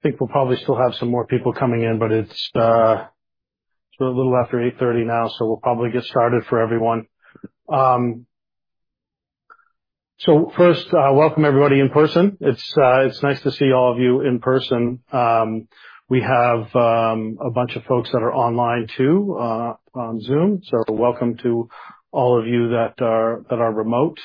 I think we'll probably still have some more people coming in, but it's a little after 8:30 A.M. now, so we'll probably get started for everyone. So first, welcome everybody in person. It's nice to see all of you in person. We have a bunch of folks that are online too, on Zoom. So welcome to all of you that are remote.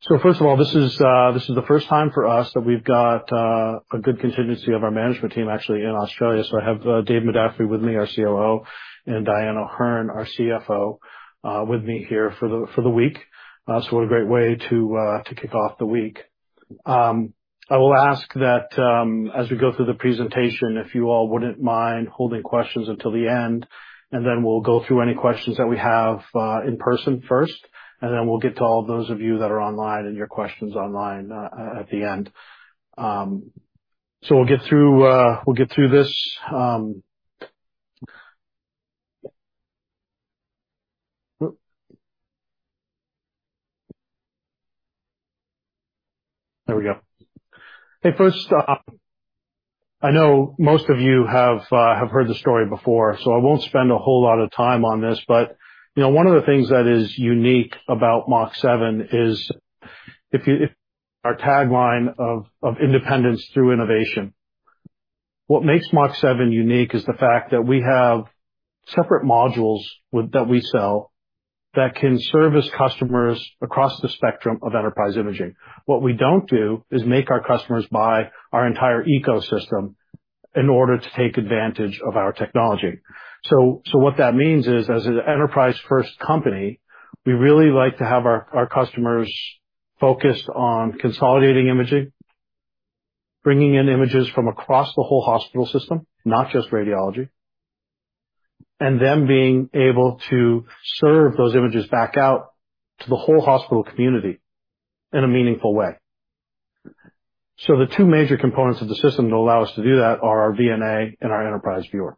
So first of all, this is the first time for us that we've got a good contingency of our management team actually in Australia. So I have David Madaffri with me, our COO, and Dyan O'Herne, our CFO, with me here for the week. So what a great way to kick off the week. I will ask that, as we go through the presentation, if you all wouldn't mind holding questions until the end, and then we'll go through any questions that we have in person first, and then we'll get to all those of you that are online and your questions online at the end. We'll get through this. There we go. Hey, first, I know most of you have heard the story before, so I won't spend a whole lot of time on this, but, you know, one of the things that is unique about Mach7 is if you—if our tagline of independence through innovation. What makes Mach7 unique is the fact that we have separate modules that we sell, that can service customers across the spectrum of enterprise imaging. What we don't do is make our customers buy our entire ecosystem in order to take advantage of our technology. So, so what that means is, as an enterprise-first company, we really like to have our, our customers focused on consolidating imaging, bringing in images from across the whole hospital system, not just radiology, and then being able to serve those images back out to the whole hospital community in a meaningful way. So the two major components of the system that allow us to do that are our VNA and our enterprise viewer.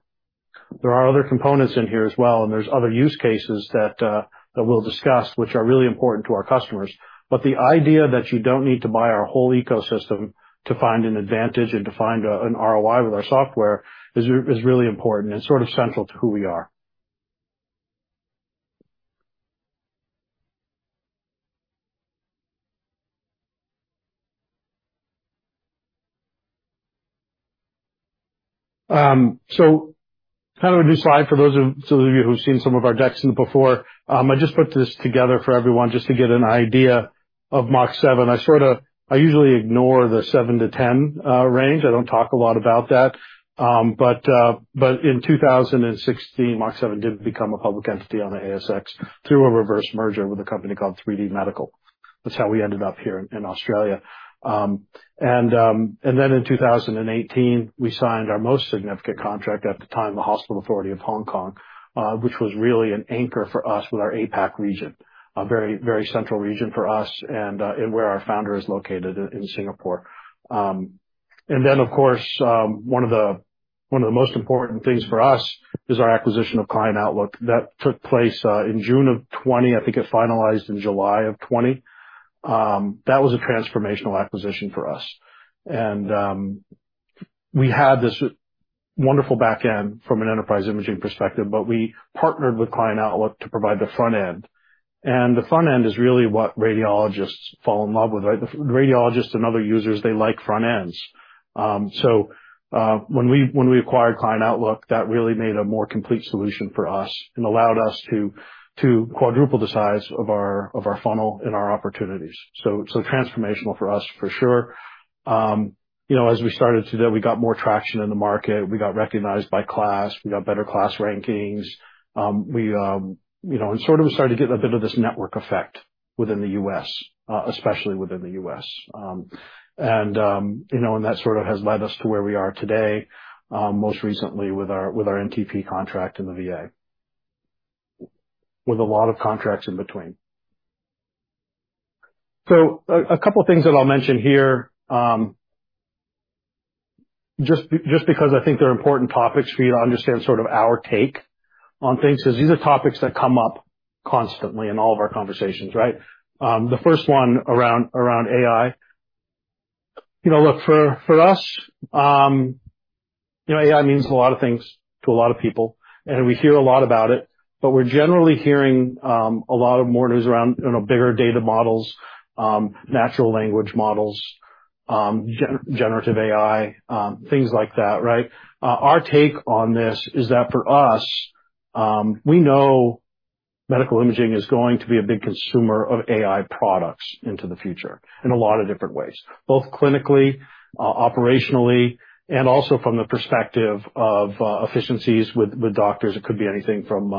There are other components in here as well, and there's other use cases that we'll discuss, which are really important to our customers. But the idea that you don't need to buy our whole ecosystem to find an advantage and to find an ROI with our software is really important and sort of central to who we are. So kind of a new slide for those of you who've seen some of our decks before. I just put this together for everyone just to get an idea of Mach7. I sort of usually ignore the seven to 10 range. I don't talk a lot about that. But in 2016, Mach7 did become a public entity on the ASX through a reverse merger with a company called 3D Medical. That's how we ended up here in Australia. And then in 2018, we signed our most significant contract at the time, the Hospital Authority of Hong Kong, which was really an anchor for us with our APAC region, a very, very central region for us and where our founder is located in Singapore. And then, of course, one of the most important things for us is our acquisition of Client Outlook. That took place in June of 2020. I think it finalized in July of 2020. That was a transformational acquisition for us. And we had this wonderful back end from an enterprise imaging perspective, but we partnered with Client Outlook to provide the front end, and the front end is really what radiologists fall in love with, right? The radiologists and other users, they like front ends. So, when we, when we acquired Client Outlook, that really made a more complete solution for us and allowed us to, to quadruple the size of our, of our funnel and our opportunities. So, so transformational for us, for sure. You know, as we started today, we got more traction in the market. We got recognized by KLAS, we got better KLAS rankings. You know, and sort of started to get a bit of this network effect within the U.S., especially within the U.S. And, you know, and that sort of has led us to where we are today, most recently with our, with our NTP contract in the VA, with a lot of contracts in between. So a couple of things that I'll mention here, just because I think they're important topics for you to understand sort of our take on things, because these are topics that come up constantly in all of our conversations, right? The first one around AI. You know, look, for us, you know, AI means a lot of things to a lot of people, and we hear a lot about it, but we're generally hearing a lot of more news around, you know, bigger data models, natural language models, generative AI, things like that, right? Our take on this is that for us, we know medical imaging is going to be a big consumer of AI products into the future in a lot of different ways, both clinically, operationally, and also from the perspective of efficiencies with, with doctors. It could be anything from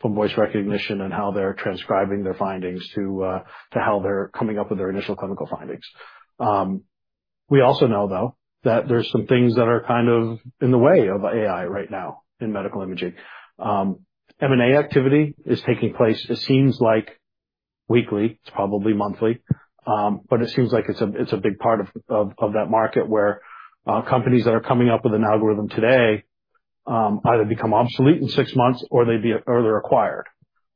from voice recognition and how they're transcribing their findings to to how they're coming up with their initial clinical findings. We also know, though, that there's some things that are kind of in the way of AI right now in medical imaging. M&A activity is taking place, it seems like weekly, it's probably monthly, but it seems like it's a, it's a big part of, of, of that market where companies that are coming up with an algorithm today-... Either become obsolete in six months or they're acquired.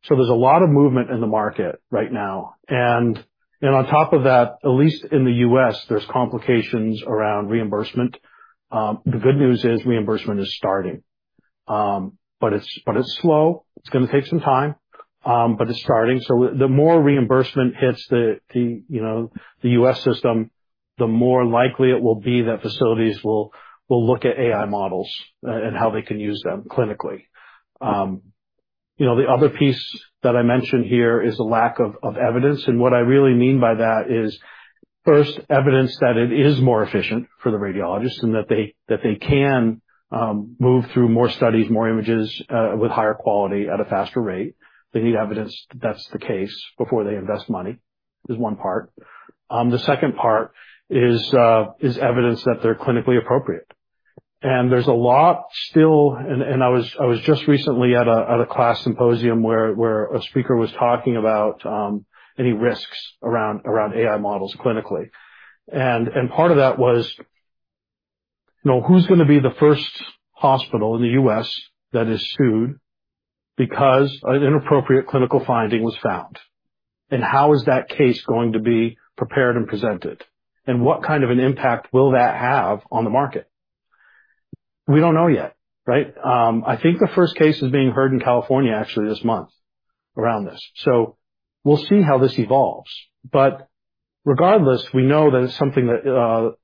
So there's a lot of movement in the market right now, and on top of that, at least in the U.S., there's complications around reimbursement. The good news is reimbursement is starting. But it's slow. It's gonna take some time, but it's starting. So the more reimbursement hits the, you know, the U.S. system, the more likely it will be that facilities will look at AI models, and how they can use them clinically. You know, the other piece that I mentioned here is a lack of evidence, and what I really mean by that is, first, evidence that it is more efficient for the radiologists and that they can move through more studies, more images, with higher quality at a faster rate. They need evidence that's the case before they invest money, is one part. The second part is evidence that they're clinically appropriate. I was just recently at a KLAS symposium where a speaker was talking about any risks around AI models clinically. And part of that was, you know, who's gonna be the first hospital in the U.S. that is sued because an inappropriate clinical finding was found? How is that case going to be prepared and presented? What kind of an impact will that have on the market? We don't know yet, right? I think the first case is being heard in California, actually, this month, around this. We'll see how this evolves, but regardless, we know that it's something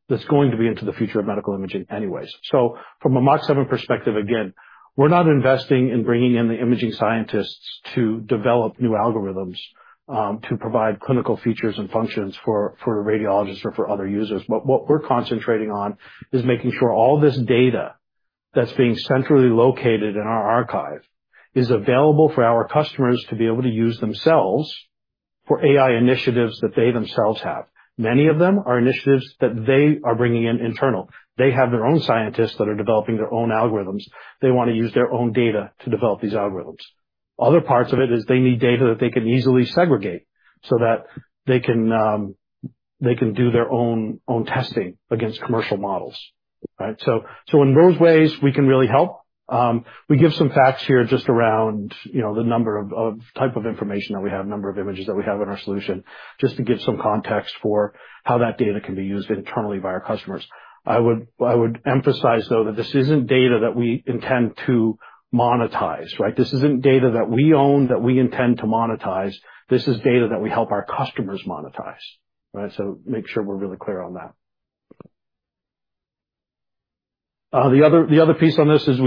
that's going to be into the future of medical imaging anyways. From a Mach7 perspective, again, we're not investing in bringing in the imaging scientists to develop new algorithms to provide clinical features and functions for radiologists or for other users. What we're concentrating on is making sure all this data that's being centrally located in our archive is available for our customers to be able to use themselves for AI initiatives that they themselves have. Many of them are initiatives that they are bringing in internal. They have their own scientists that are developing their own algorithms. They want to use their own data to develop these algorithms. Other parts of it is they need data that they can easily segregate so that they can, they can do their own testing against commercial models, right? In those ways, we can really help. We give some facts here just around, you know, the number of type of information that we have, number of images that we have in our solution, just to give some context for how that data can be used internally by our customers. I would emphasize, though, that this isn't data that we intend to monetize, right? This isn't data that we own, that we intend to monetize. This is data that we help our customers monetize, right? Make sure we're really clear on that. The other piece on this is.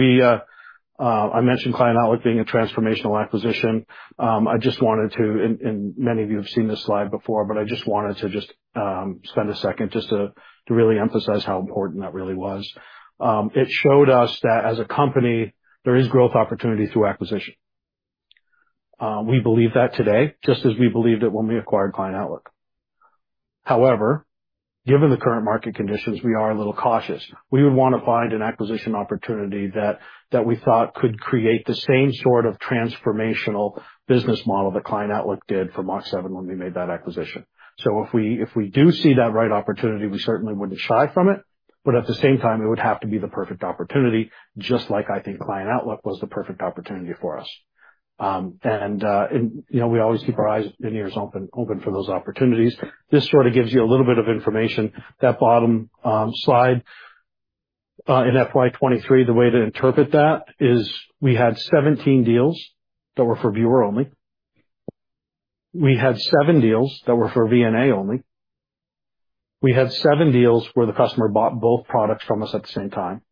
I mentioned Client Outlook being a transformational acquisition. I just wanted to, and many of you have seen this slide before, but I just wanted to just spend a second just to really emphasize how important that really was. It showed us that as a company, there is growth opportunity through acquisition. We believe that today, just as we believed it when we acquired Client Outlook. However, given the current market conditions, we are a little cautious. We would want to find an acquisition opportunity that we thought could create the same sort of transformational business model that Client Outlook did for Mach7 when we made that acquisition. So if we do see that right opportunity, we certainly wouldn't shy from it, but at the same time, it would have to be the perfect opportunity, just like I think Client Outlook was the perfect opportunity for us. And, you know, we always keep our eyes and ears open for those opportunities. This sort of gives you a little bit of information. That bottom slide in FY 2023, the way to interpret that is we had 17 deals that were for Viewer only. We had seven deals that were for VNA only. We had seven deals where the customer bought both products from us at the same time,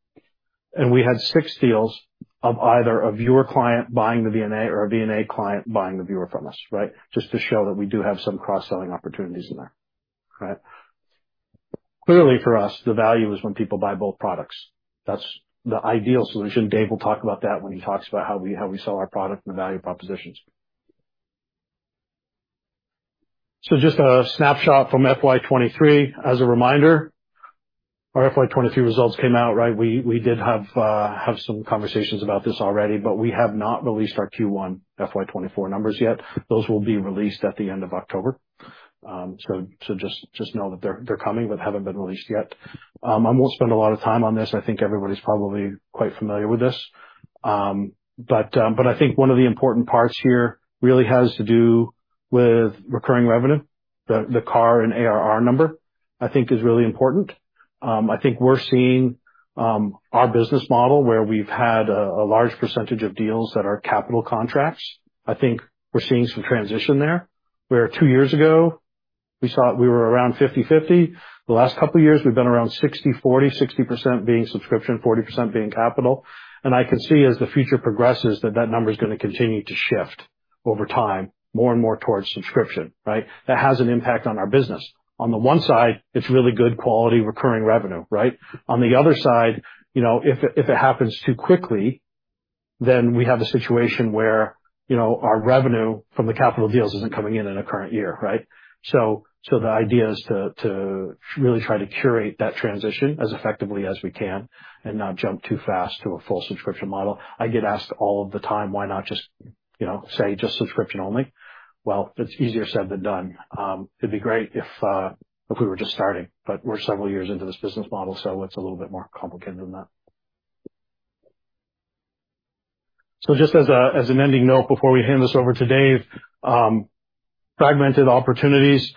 and we had six deals of either a Viewer client buying the VNA or a VNA client buying the Viewer from us, right? Just to show that we do have some cross-selling opportunities in there, right? Clearly, for us, the value is when people buy both products. That's the ideal solution. Dave will talk about that when he talks about how we sell our product and the value propositions. So just a snapshot from FY 2023. As a reminder, our FY 2023 results came out, right? We did have some conversations about this already, but we have not released our Q1 FY 2024 numbers yet. Those will be released at the end of October. So just know that they're coming but haven't been released yet. I won't spend a lot of time on this. I think everybody's probably quite familiar with this. But I think one of the important parts here really has to do with recurring revenue. The CARR and ARR number, I think is really important. I think we're seeing our business model, where we've had a large percentage of deals that are capital contracts. I think we're seeing some transition there, where two years ago, we saw we were around 50/50. The last couple of years, we've been around 60/40, 60% being subscription, 40% being capital. And I can see as the future progresses, that that number is gonna continue to shift over time, more and more towards subscription, right? That has an impact on our business. On the one side, it's really good quality, recurring revenue, right? On the other side, you know, if it happens too quickly, then we have a situation where, you know, our revenue from the capital deals isn't coming in in a current year, right? So the idea is to really try to curate that transition as effectively as we can and not jump too fast to a full subscription model. I get asked all of the time, "Why not just, you know, say just subscription only?" Well, it's easier said than done. It'd be great if we were just starting, but we're several years into this business model, so it's a little bit more complicated than that. So just as an ending note, before we hand this over to Dave, fragmented opportunities.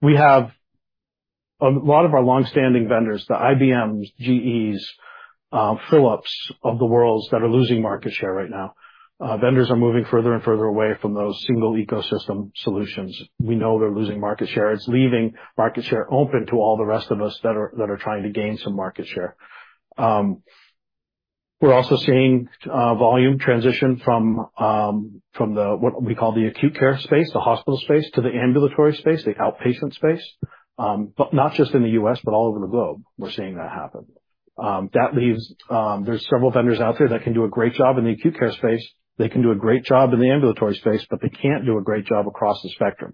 We have a lot of our longstanding vendors, the IBMs, GEs, Philips of the worlds that are losing market share right now. Vendors are moving further and further away from those single ecosystem solutions. We know they're losing market share. It's leaving market share open to all the rest of us that are trying to gain some market share. We're also seeing volume transition from the what we call the acute care space, the hospital space, to the ambulatory space, the outpatient space. But not just in the U.S., but all over the globe, we're seeing that happen. That leaves... There's several vendors out there that can do a great job in the acute care space. They can do a great job in the ambulatory space, but they can't do a great job across the spectrum.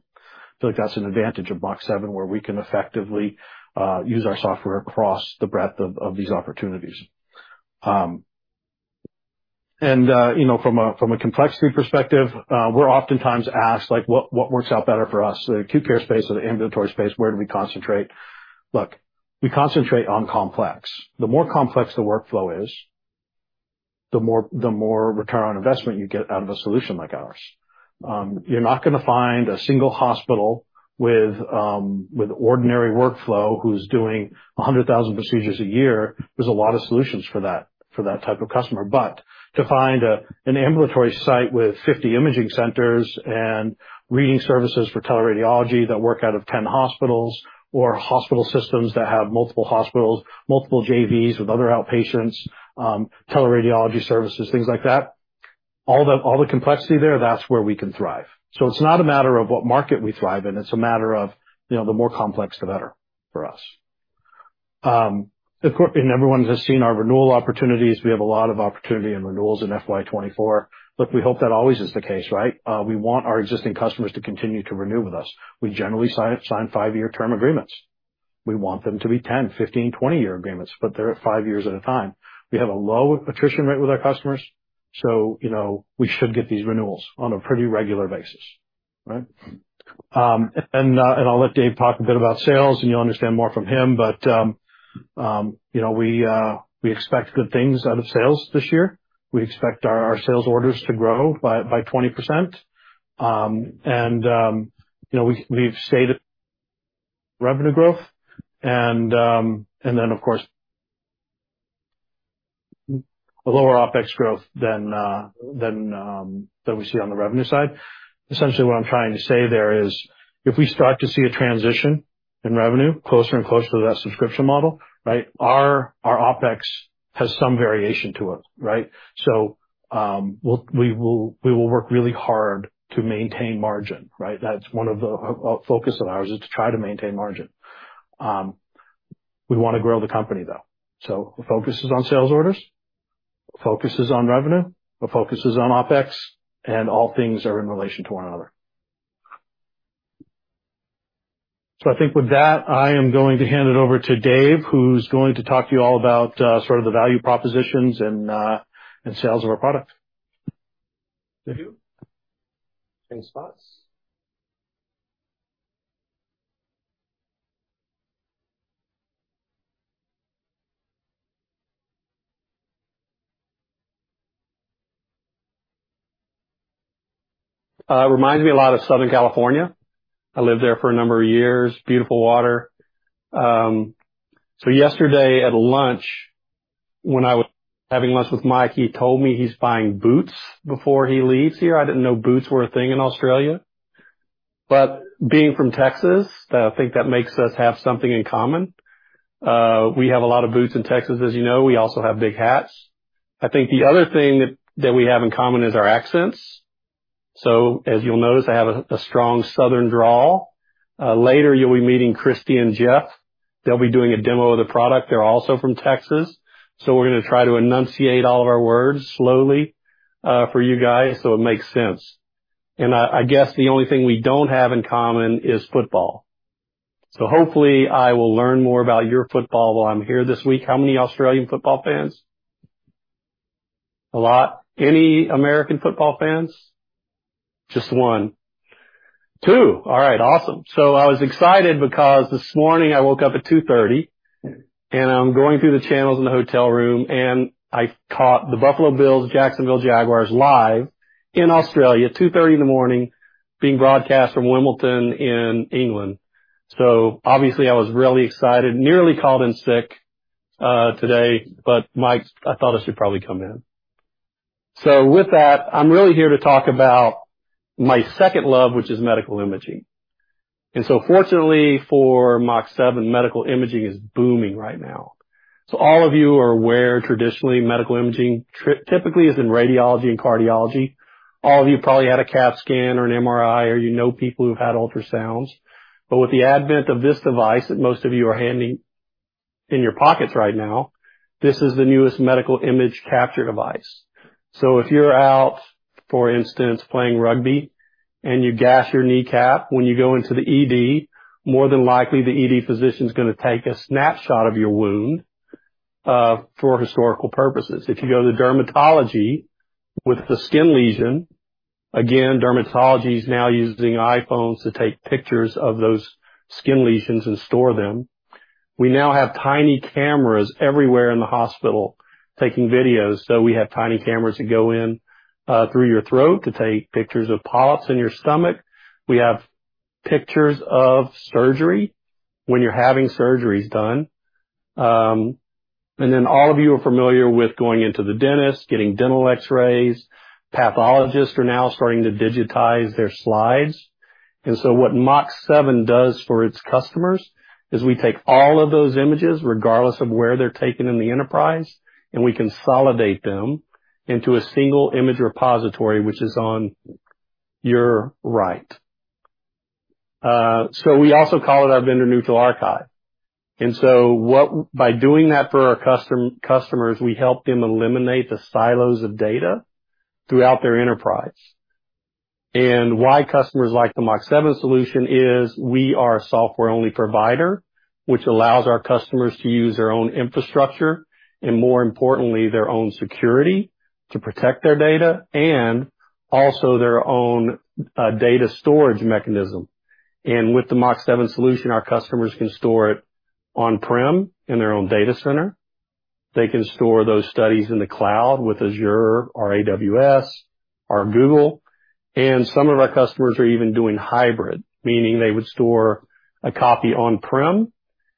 Feel like that's an advantage of Mach7, where we can effectively use our software across the breadth of these opportunities. You know, from a complexity perspective, we're oftentimes asked, like, what works out better for us, the acute care space or the ambulatory space? Where do we concentrate? Look, we concentrate on complex. The more complex the workflow is, the more, the more return on investment you get out of a solution like ours. You're not gonna find a single hospital with ordinary workflow, who's doing 100,000 procedures a year. There's a lot of solutions for that, for that type of customer. But to find an ambulatory site with 50 imaging centers and reading services for teleradiology that work out of 10 hospitals, or hospital systems that have multiple hospitals, multiple JVs with other outpatients, teleradiology services, things like that, all the, all the complexity there, that's where we can thrive. So it's not a matter of what market we thrive in, it's a matter of, you know, the more complex, the better for us. Of course, and everyone has seen our renewal opportunities. We have a lot of opportunity in renewals in FY 2024. Look, we hope that always is the case, right? We want our existing customers to continue to renew with us. We generally sign five-year term agreements. We want them to be 10-, 15-, 20-year agreements, but they're at five years at a time. We have a low attrition rate with our customers, so, you know, we should get these renewals on a pretty regular basis, right? And I'll let Dave talk a bit about sales, and you'll understand more from him, but, you know, we expect good things out of sales this year. We expect our sales orders to grow by 20%. You know, we've stated revenue growth and then, of course, a lower OpEx growth than we see on the revenue side. Essentially, what I'm trying to say there is, if we start to see a transition in revenue, closer and closer to that subscription model, right, our OpEx has some variation to it, right? So, we'll work really hard to maintain margin, right? That's one of the, a focus of ours is to try to maintain margin. We wanna grow the company, though. So the focus is on sales orders, the focus is on revenue, the focus is on OpEx, and all things are in relation to one another. I think with that, I am going to hand it over to Dave, who's going to talk to you all about sort of the value propositions and sales of our product. Thank you. Thanks, Mike. Reminds me a lot of Southern California. I lived there for a number of years. Beautiful water. So yesterday at lunch, when I was having lunch with Mike, he told me he's buying boots before he leaves here. I didn't know boots were a thing in Australia, but being from Texas, I think that makes us have something in common. We have a lot of boots in Texas, as you know. We also have big hats. I think the other thing that, that we have in common is our accents. So as you'll notice, I have a, a strong Southern drawl. Later, you'll be meeting Kristi and Jeff. They'll be doing a demo of the product. They're also from Texas, so we're gonna try to enunciate all of our words slowly, for you guys, so it makes sense. I guess, the only thing we don't have in common is football. So hopefully, I will learn more about your football while I'm here this week. How many Australian football fans? A lot. Any American football fans? Just one. Two. All right, awesome. So I was excited because this morning I woke up at 2:30 A.M., and I'm going through the channels in the hotel room, and I caught the Buffalo Bills, Jacksonville Jaguars live in Australia, 2:30 A.M., being broadcast from Wimbledon in England. So obviously I was really excited, nearly called in sick, today, but Mike, I thought I should probably come in. So with that, I'm really here to talk about my second love, which is medical imaging. And so fortunately for Mach7, medical imaging is booming right now. So all of you are aware, traditionally, medical imaging typically is in radiology and cardiology. All of you probably had a CAT scan or an MRI, or you know people who've had ultrasounds. But with the advent of this device that most of you are handing in your pockets right now, this is the newest medical image capture device. So if you're out for instance, playing rugby and you gash your kneecap, when you go into the ED, more than likely the ED physician is going to take a snapshot of your wound for historical purposes. If you go to dermatology with a skin lesion, again, dermatology is now using iPhones to take pictures of those skin lesions and store them. We now have tiny cameras everywhere in the hospital taking videos. So we have tiny cameras that go in through your throat to take pictures of polyps in your stomach. We have pictures of surgery when you're having surgeries done. And then all of you are familiar with going into the dentist, getting dental X-rays. Pathologists are now starting to digitize their slides. And so what Mach7 does for its customers is we take all of those images, regardless of where they're taken in the enterprise, and we consolidate them into a single image repository, which is on your right. So we also call it our vendor-neutral archive. And so by doing that for our customers, we help them eliminate the silos of data throughout their enterprise. Why customers like the Mach7 solution is we are a software-only provider, which allows our customers to use their own infrastructure and more importantly, their own security to protect their data and also their own data storage mechanism. With the Mach7 solution, our customers can store it on-prem in their own data center. They can store those studies in the cloud with Azure or AWS or Google. Some of our customers are even doing hybrid, meaning they would store a copy on-prem,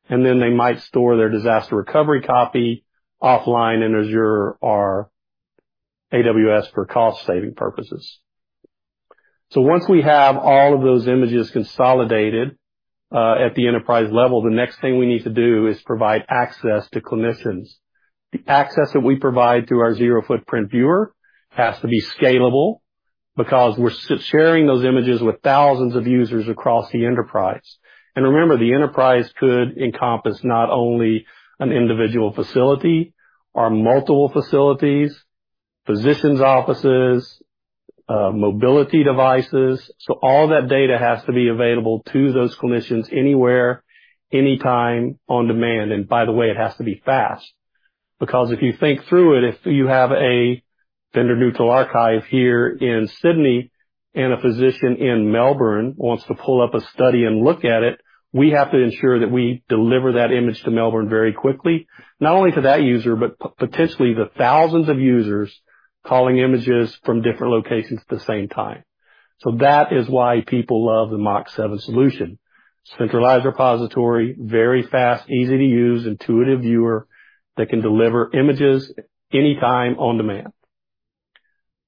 and then they might store their disaster recovery copy offline in Azure or AWS for cost-saving purposes. Once we have all of those images consolidated at the enterprise level, the next thing we need to do is provide access to clinicians. The access that we provide through our zero footprint viewer has to be scalable because we're sharing those images with thousands of users across the enterprise. And remember, the enterprise could encompass not only an individual facility or multiple facilities, physicians, offices, mobility devices. So all that data has to be available to those clinicians anywhere, anytime, on demand. And by the way, it has to be fast, because if you think through it, if you have a vendor-neutral archive here in Sydney and a physician in Melbourne wants to pull up a study and look at it, we have to ensure that we deliver that image to Melbourne very quickly. Not only to that user, but potentially the thousands of users calling images from different locations at the same time. So that is why people love the Mach7 solution. Centralized repository, very fast, easy to use, intuitive viewer that can deliver images anytime, on demand.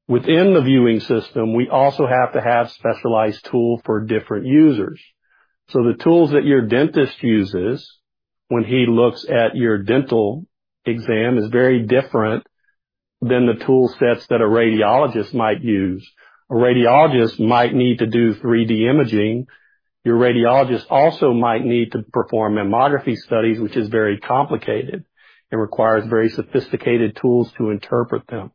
Within the viewing system, we also have to have specialized tool for different users. So the tools that your dentist uses when he looks at your dental exam is very different than the tool sets that a radiologist might use. A radiologist might need to do 3D imaging. Your radiologist also might need to perform mammography studies, which is very complicated and requires very sophisticated tools to interpret them.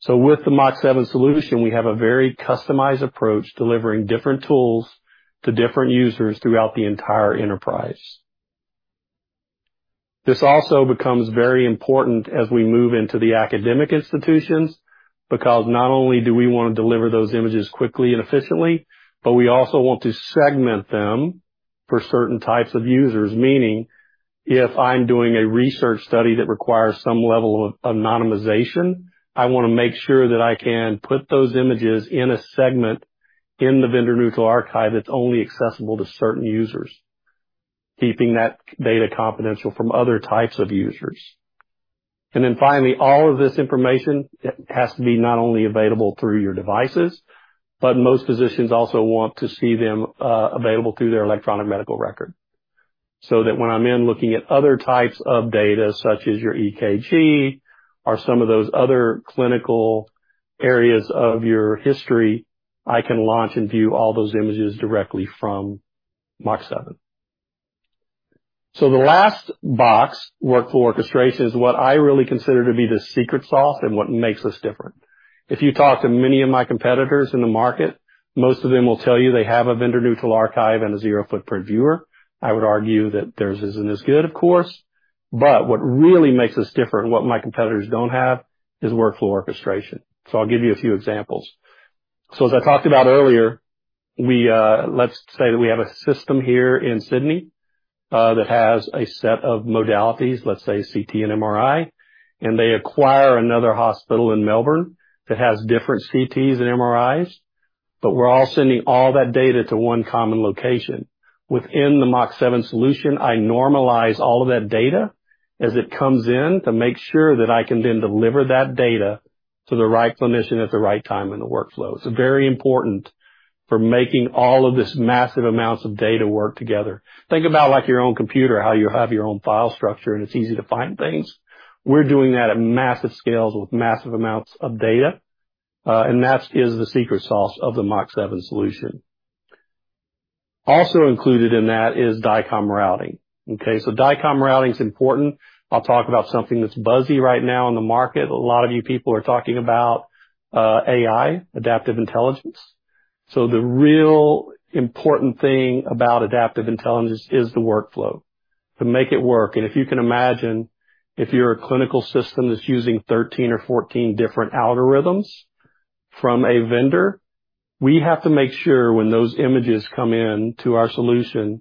So with the Mach7 solution, we have a very customized approach, delivering different tools to different users throughout the entire enterprise. This also becomes very important as we move into the academic institutions, because not only do we want to deliver those images quickly and efficiently, but we also want to segment them for certain types of users. Meaning, if I'm doing a research study that requires some level of anonymization, I want to make sure that I can put those images in a segment in the vendor-neutral archive that's only accessible to certain users, keeping that data confidential from other types of users. And then finally, all of this information has to be not only available through your devices, but most physicians also want to see them, available through their electronic medical record. So that when I'm in looking at other types of data, such as your EKG or some of those other clinical areas of your history, I can launch and view all those images directly from Mach7. So the last box, workflow orchestration, is what I really consider to be the secret sauce and what makes us different. If you talk to many of my competitors in the market, most of them will tell you they have a vendor-neutral archive and a zero-footprint viewer. I would argue that theirs isn't as good, of course, but what really makes us different and what my competitors don't have is workflow orchestration. So I'll give you a few examples. So as I talked about earlier, we, let's say that we have a system here in Sydney, that has a set of modalities, let's say CT and MRI, and they acquire another hospital in Melbourne that has different CTs and MRIs, but we're all sending all that data to one common location. Within the Mach7 solution, I normalize all of that data as it comes in to make sure that I can then deliver that data to the right clinician at the right time in the workflow. It's very important for making all of this massive amounts of data work together. Think about, like, your own computer, how you have your own file structure, and it's easy to find things. We're doing that at massive scales with massive amounts of data, and that is the secret sauce of the Mach7 solution. Also included in that is DICOM routing. Okay, so DICOM routing is important. I'll talk about something that's buzzy right now in the market. A lot of you people are talking about, AI, adaptive intelligence. So the real important thing about adaptive intelligence is the workflow, to make it work. And if you can imagine, if you're a clinical system that's using 13 or 14 different algorithms from a vendor, we have to make sure when those images come in to our solution,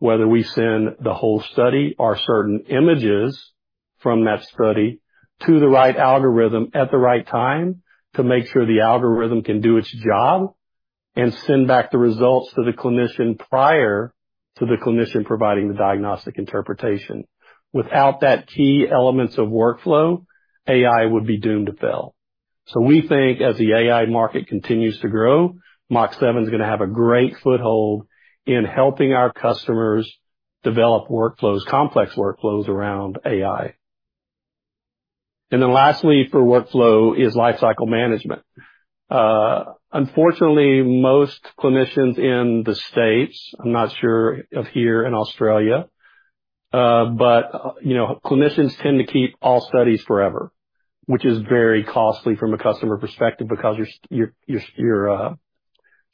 whether we send the whole study or certain images from that study to the right algorithm at the right time, to make sure the algorithm can do its job and send back the results to the clinician prior to the clinician providing the diagnostic interpretation. Without that key elements of workflow, AI would be doomed to fail. So we think as the AI market continues to grow, Mach7 is gonna have a great foothold in helping our customers develop workflows, complex workflows, around AI. And then lastly, for workflow is lifecycle management. Unfortunately, most clinicians in the States, I'm not sure of here in Australia, but, you know, clinicians tend to keep all studies forever which is very costly from a customer perspective, because you're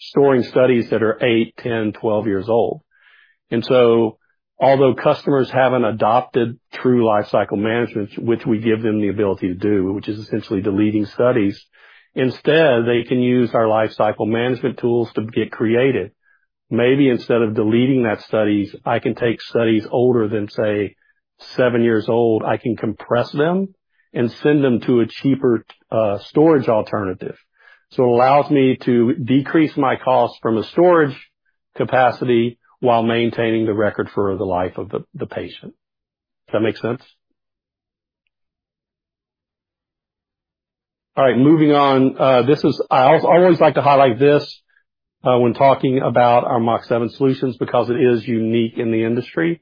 storing studies that are eight, 10, 12 years old. And so, although customers haven't adopted true lifecycle management, which we give them the ability to do, which is essentially deleting studies, instead, they can use our lifecycle management tools to get creative. Maybe instead of deleting that studies, I can take studies older than, say, seven years old, I can compress them and send them to a cheaper storage alternative. So it allows me to decrease my costs from a storage capacity while maintaining the record for the life of the patient. Does that make sense? All right, moving on. This is... I always like to highlight this, when talking about our Mach7 solutions, because it is unique in the industry.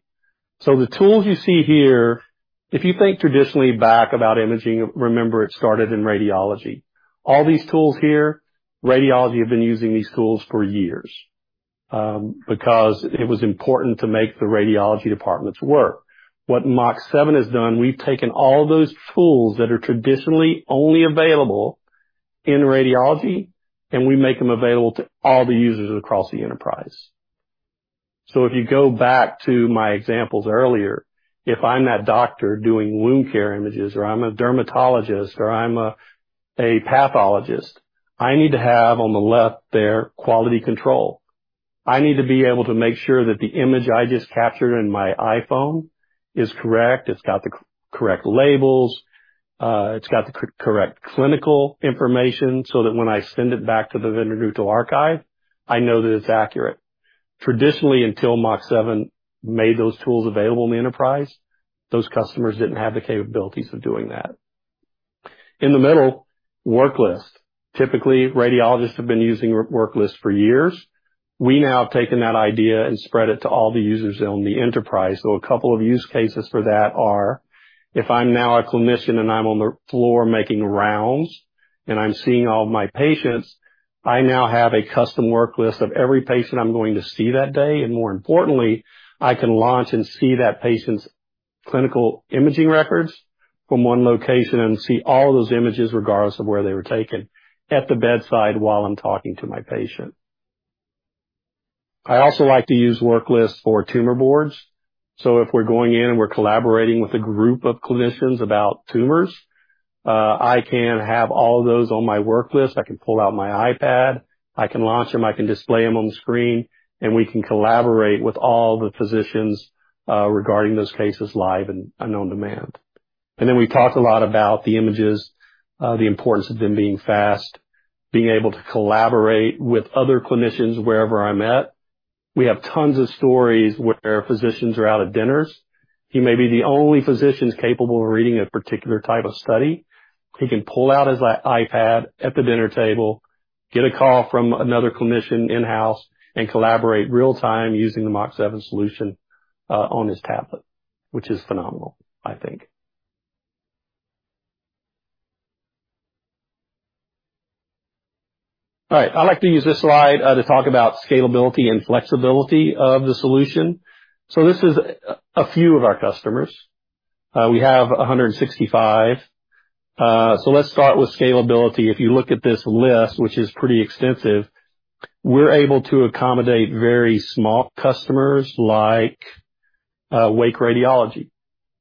So the tools you see here, if you think traditionally back about imaging, remember, it started in radiology. All these tools here, radiology have been using these tools for years, because it was important to make the radiology departments work. What Mach7 has done, we've taken all those tools that are traditionally only available in radiology, and we make them available to all the users across the enterprise. So if you go back to my examples earlier, if I'm that doctor doing wound care images, or I'm a dermatologist, or I'm a, a pathologist, I need to have on the left there, quality control. I need to be able to make sure that the image I just captured in my iPhone is correct; it's got the correct labels. It's got the correct clinical information, so that when I send it back to the vendor neutral archive, I know that it's accurate. Traditionally, until Mach7 made those tools available in the enterprise, those customers didn't have the capabilities of doing that. In the middle, worklist. Typically, radiologists have been using worklist for years. We now have taken that idea and spread it to all the users on the enterprise. A couple of use cases for that are: if I'm now a clinician and I'm on the floor making rounds and I'm seeing all my patients, I now have a custom work list of every patient I'm going to see that day, and more importantly, I can launch and see that patient's clinical imaging records from one location and see all those images, regardless of where they were taken, at the bedside while I'm talking to my patient. I also like to use work lists for tumor boards. If we're going in and we're collaborating with a group of clinicians about tumors, I can have all of those on my work list. I can pull out my iPad, I can launch them, I can display them on the screen, and we can collaborate with all the physicians, regarding those cases, live and on demand. And then, we talked a lot about the images, the importance of them being fast, being able to collaborate with other clinicians wherever I'm at. We have tons of stories where physicians are out at dinners. He may be the only physician capable of reading a particular type of study. He can pull out his iPad at the dinner table, get a call from another clinician in-house, and collaborate real-time using the Mach7 solution, on his tablet, which is phenomenal, I think. All right, I'd like to use this slide, to talk about scalability and flexibility of the solution. So this is a few of our customers. We have 165. So let's start with scalability. If you look at this list, which is pretty extensive, we're able to accommodate very small customers like, Wake Radiology.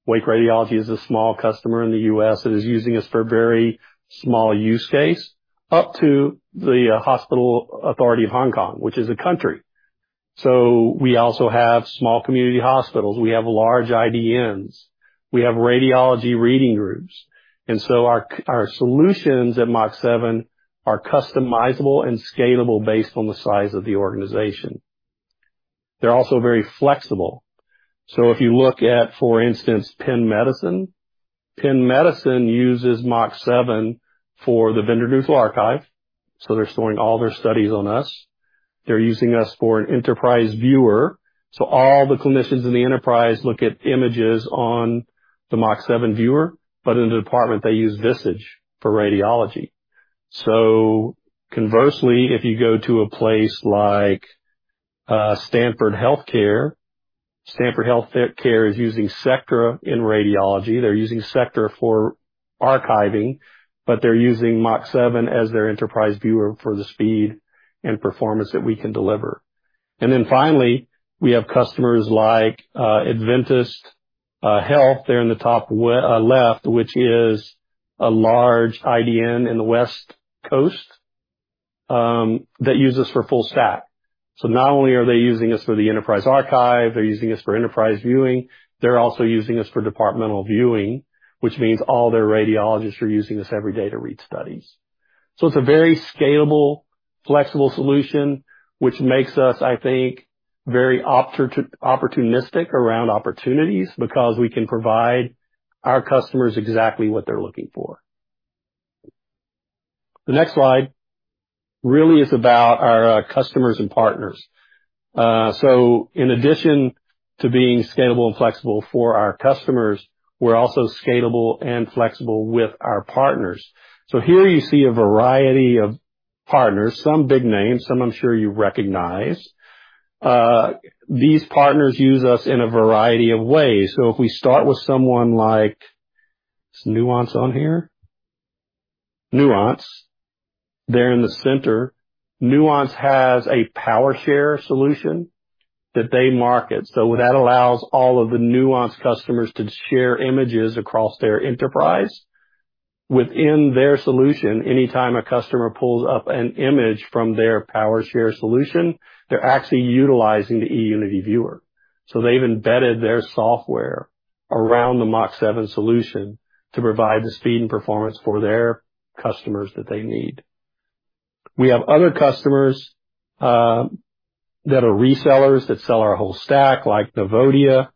Wake Radiology is a small customer in the U.S., that is using us for a very small use case, up to the Hospital Authority of Hong Kong, which is a country. So we also have small community hospitals. We have large IDNs, we have radiology reading groups. And so our solutions at Mach7 are customizable and scalable based on the size of the organization. They're also very flexible. So if you look at, for instance, Penn Medicine, Penn Medicine uses Mach7 for the vendor neutral archive, so they're storing all their studies on us. They're using us for an enterprise viewer, so all the clinicians in the enterprise look at images on the Mach7 viewer, but in the department, they use Visage for radiology. So conversely, if you go to a place like Stanford Healthcare, Stanford Healthcare is using Sectra in radiology. They're using Sectra for archiving, but they're using Mach7 as their enterprise viewer for the speed and performance that we can deliver. And then finally, we have customers like Adventist Health there in the top left, which is a large IDN in the West Coast that uses our full stack. So not only are they using us for the enterprise archive, they're using us for enterprise viewing, they're also using us for departmental viewing, which means all their radiologists are using this every day to read studies. So it's a very scalable, flexible solution, which makes us, I think, very opportunistic around opportunities, because we can provide our customers exactly what they're looking for. The next slide really is about our customers and partners. So in addition to being scalable and flexible for our customers, we're also scalable and flexible with our partners. So here you see a variety of partners, some big names, some I'm sure you recognize. These partners use us in a variety of ways. So if we start with someone like, is Nuance on here? Nuance, there in the center. Nuance has a PowerShare solution that they market, so that allows all of the Nuance customers to share images across their enterprise. Within their solution, anytime a customer pulls up an image from their PowerShare solution, they're actually utilizing the eUnity viewer. So they've embedded their software around the Mach7 solution to provide the speed and performance for their customers that they need. We have other customers that are resellers that sell our whole stack, like Nuvodia,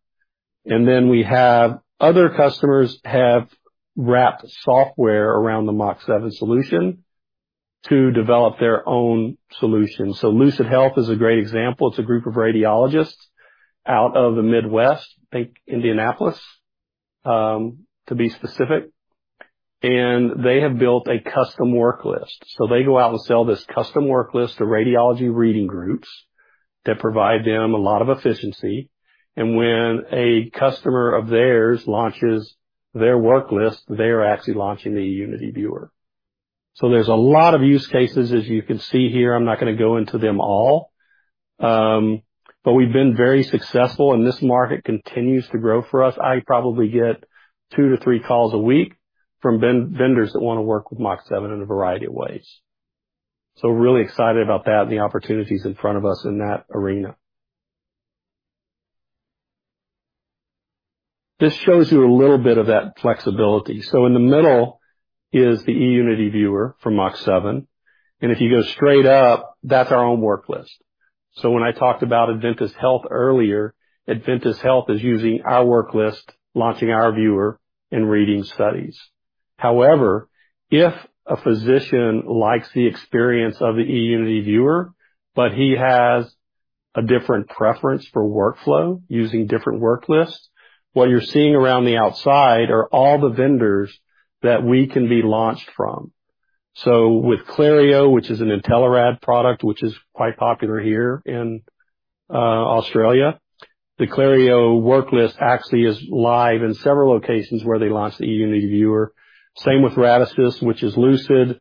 and then we have other customers have wrapped software around the Mach7 solution to develop their own solution. So LucidHealth is a great example. It's a group of radiologists out of the Midwest, I think Indianapolis, to be specific, and they have built a custom worklist. So they go out and sell this custom worklist to radiology reading groups that provide them a lot of efficiency, and when a customer of theirs launches their worklist, they are actually launching the eUnity viewer. So there's a lot of use cases, as you can see here. I'm not gonna go into them all, but we've been very successful, and this market continues to grow for us. I probably get two to three calls a week from vendors that wanna work with Mach7 in a variety of ways. We're really excited about that and the opportunities in front of us in that arena. This shows you a little bit of that flexibility. In the middle is the eUnity viewer from Mach7, and if you go straight up, that's our own work list. When I talked about Adventist Health earlier, Adventist Health is using our work list, launching our viewer and reading studies. However, if a physician likes the experience of the eUnity viewer, but he has a different preference for workflow, using different work lists, what you're seeing around the outside are all the vendors that we can be launched from. So with Clario, which is an Intelerad product, which is quite popular here in Australia, the Clario worklist actually is live in several locations where they launch the eUnity viewer. Same with RadAssist, which is Lucid.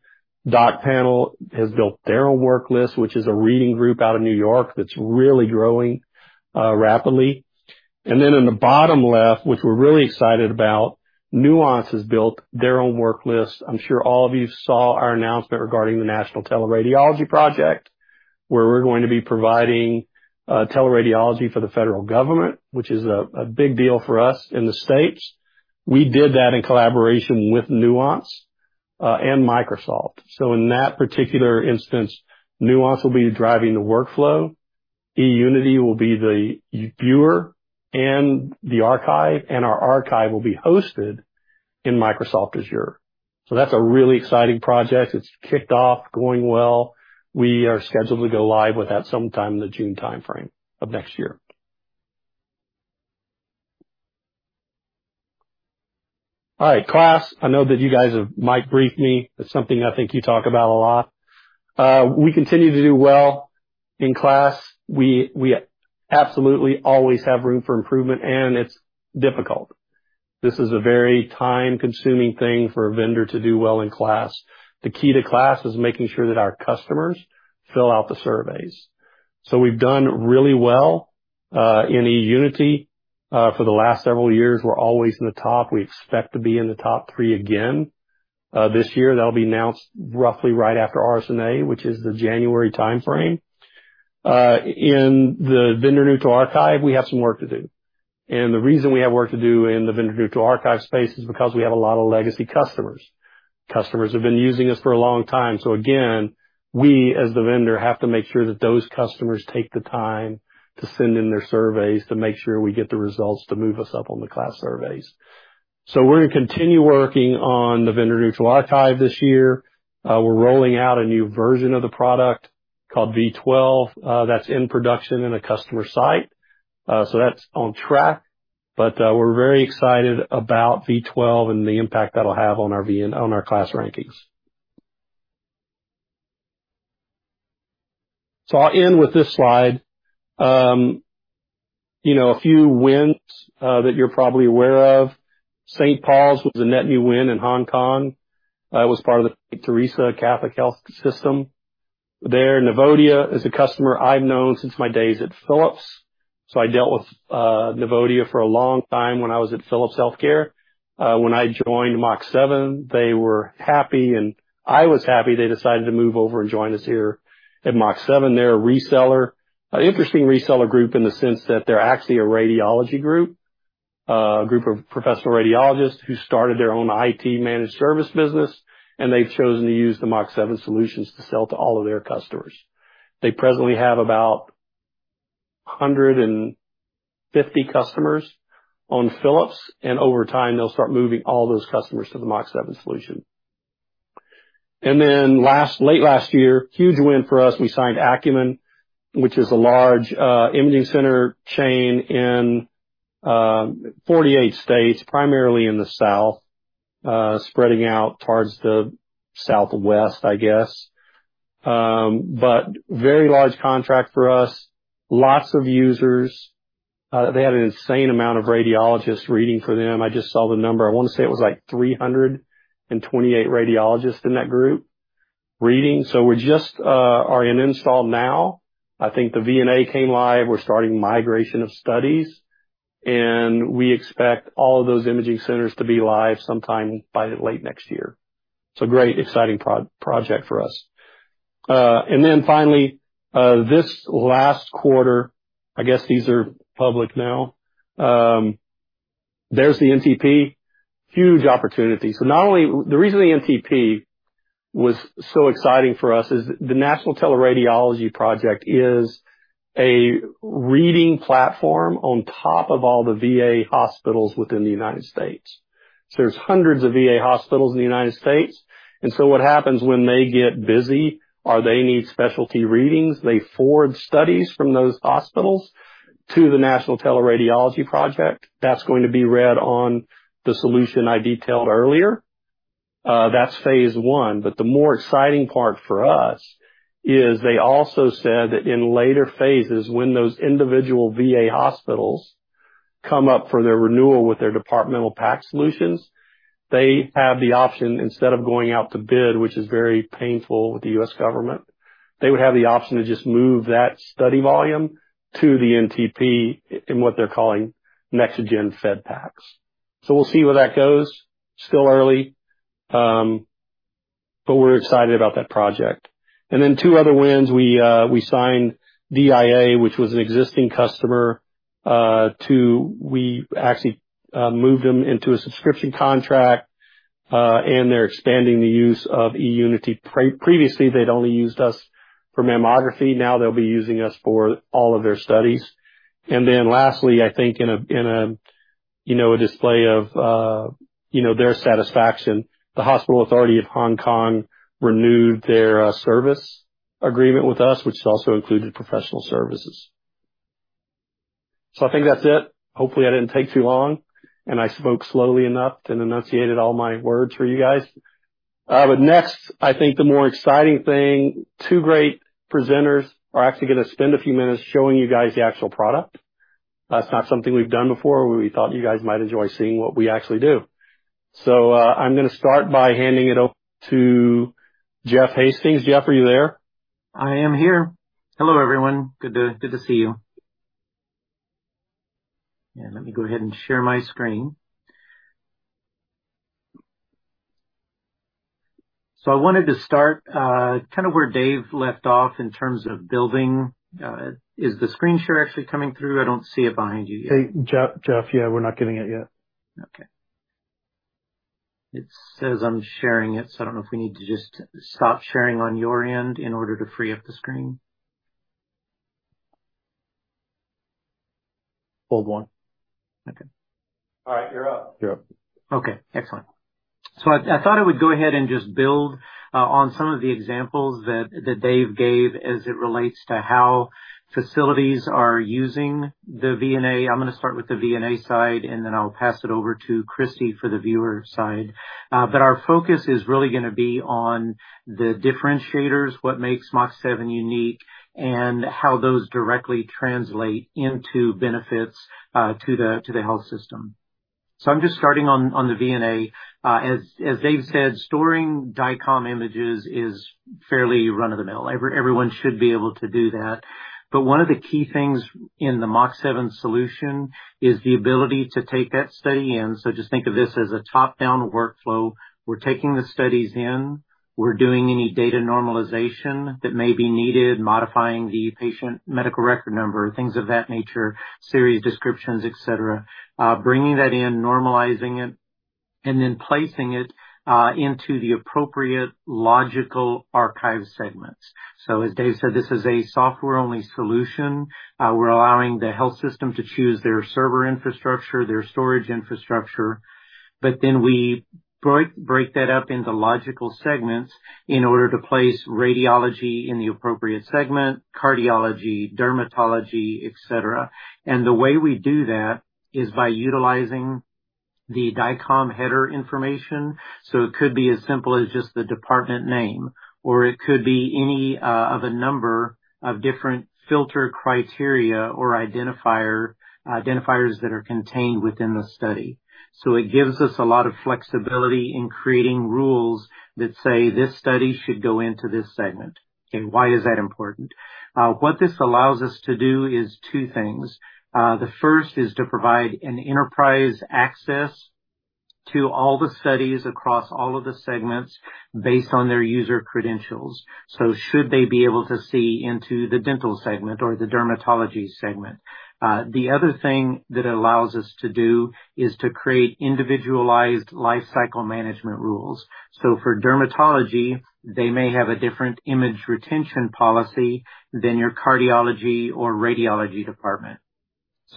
DocPanel has built their own worklist, which is a reading group out of New York that's really growing rapidly. And then in the bottom left, which we're really excited about, Nuance has built their own worklist. I'm sure all of you saw our announcement regarding the National Teleradiology Project, where we're going to be providing teleradiology for the federal government, which is a, a big deal for us in the States. We did that in collaboration with Nuance and Microsoft. So in that particular instance, Nuance will be driving the workflow, eUnity will be the viewer and the archive, and our archive will be hosted in Microsoft Azure. So that's a really exciting project. It's kicked off, going well. We are scheduled to go live with that sometime in the June timeframe of next year. All right, KLAS, I know that you guys have—Mike briefed me. It's something I think you talk about a lot. We continue to do well in KLAS. We absolutely always have room for improvement, and it's difficult. This is a very time-consuming thing for a vendor to do well in KLAS. The key to KLAS is making sure that our customers fill out the surveys. So we've done really well in eUnity. For the last several years, we're always in the top. We expect to be in the top three again this year. That'll be announced roughly right after RSNA, which is the January timeframe. In the vendor neutral archive, we have some work to do, and the reason we have work to do in the vendor neutral archive space is because we have a lot of legacy customers. Customers who have been using us for a long time. So again, we, as the vendor, have to make sure that those customers take the time to send in their surveys to make sure we get the results to move us up on the KLAS surveys. So we're gonna continue working on the vendor neutral archive this year. We're rolling out a new version of the product called V12. That's in production in a customer site.... So that's on track, but, we're very excited about V12 and the impact that'll have on our VNA—on our KLAS rankings. So I'll end with this slide. You know, a few wins, that you're probably aware of. St. Paul's was a net new win in Hong Kong. It was part of the Teresa Catholic Health System there. Nuvodia is a customer I've known since my days at Philips, so I dealt with, Nuvodia for a long time when I was at Philips Healthcare. When I joined Mach7, they were happy, and I was happy they decided to move over and join us here at Mach7. They're a reseller, an interesting reseller group in the sense that they're actually a radiology group. A group of professional radiologists who started their own IT managed service business, and they've chosen to use the Mach7 solutions to sell to all of their customers. They presently have about 150 customers on Philips, and over time, they'll start moving all those customers to the Mach7 solution. And then, late last year, huge win for us. We signed Akumin, which is a large, imaging center chain in, 48 states, primarily in the south, spreading out towards the southwest, I guess. But very large contract for us. Lots of users. They had an insane amount of radiologists reading for them. I just saw the number. I want to say it was, like, 328 radiologists in that group reading. So we're just, are in install now. I think the VNA came live. We're starting migration of studies, and we expect all of those imaging centers to be live sometime by late next year. It's a great, exciting project for us. And then finally, this last quarter, I guess these are public now. There's the NTP. Huge opportunity. So not only... The reason the NTP was so exciting for us is the National Teleradiology Project is a reading platform on top of all the VA hospitals within the United States. So there's hundreds of VA hospitals in the United States, and so what happens when they get busy, or they need specialty readings, they forward studies from those hospitals to the National Teleradiology Project. That's going to be read on the solution I detailed earlier. That's phase one. But the more exciting part for us is they also said that in later phases, when those individual VA hospitals come up for their renewal with their departmental PACS solutions, they have the option, instead of going out to bid, which is very painful with the U.S. government, they would have the option to just move that study volume to the NTP in what they're calling NextGen Fed PACS. So we'll see where that goes. Still early, but we're excited about that project. And then two other wins. We signed DIA, which was an existing customer. We actually moved them into a subscription contract, and they're expanding the use of eUnity. Previously, they'd only used us for mammography. Now they'll be using us for all of their studies. And then lastly, I think in a you know, a display of you know, their satisfaction, the Hospital Authority of Hong Kong renewed their service agreement with us, which also included professional services. So I think that's it. Hopefully, I didn't take too long, and I spoke slowly enough and enunciated all my words for you guys. But next, I think the more exciting thing, two great presenters are actually going to spend a few minutes showing you guys the actual product. That's not something we've done before. We thought you guys might enjoy seeing what we actually do. So, I'm going to start by handing it over to Jeff Hastings. Jeff, are you there? I am here. Hello, everyone. Good to, good to see you. Let me go ahead and share my screen. I wanted to start, kind of where Dave left off in terms of building. Is the screen share actually coming through? I don't see it behind you yet. Hey, Jeff. Yeah, we're not getting it yet. Okay. It says I'm sharing it, so I don't know if we need to just stop sharing on your end in order to free up the screen. Hold one. Okay. All right. You're up. You're up. Okay, excellent. So I thought I would go ahead and just build on some of the examples that Dave gave as it relates to how facilities are using the VNA. I'm going to start with the VNA side, and then I'll pass it over to Kristi for the viewer side. But our focus is really going to be on the differentiators, what makes Mach7 unique, and how those directly translate into benefits to the health system. So I'm just starting on the VNA. As Dave said, storing DICOM images is fairly run-of-the-mill. Everyone should be able to do that. But one of the key things in the Mach7 solution is the ability to take that study in, so just think of this as a top-down workflow. We're taking the studies in, we're doing any data normalization that may be needed, modifying the patient medical record number, things of that nature, series descriptions, et cetera. Bringing that in, normalizing it, and then placing it into the appropriate logical archive segments. So as Dave said, this is a software-only solution. We're allowing the health system to choose their server infrastructure, their storage infrastructure... But then we break that up into logical segments in order to place radiology in the appropriate segment, cardiology, dermatology, et cetera. And the way we do that is by utilizing the DICOM header information. So it could be as simple as just the department name, or it could be any of a number of different filter criteria or identifiers that are contained within the study. So it gives us a lot of flexibility in creating rules that say, "This study should go into this segment." Okay, why is that important? What this allows us to do is two things. The first is to provide an enterprise access to all the studies across all of the segments based on their user credentials. So should they be able to see into the dental segment or the dermatology segment? The other thing that it allows us to do is to create individualized lifecycle management rules. So for dermatology, they may have a different image retention policy than your cardiology or radiology department.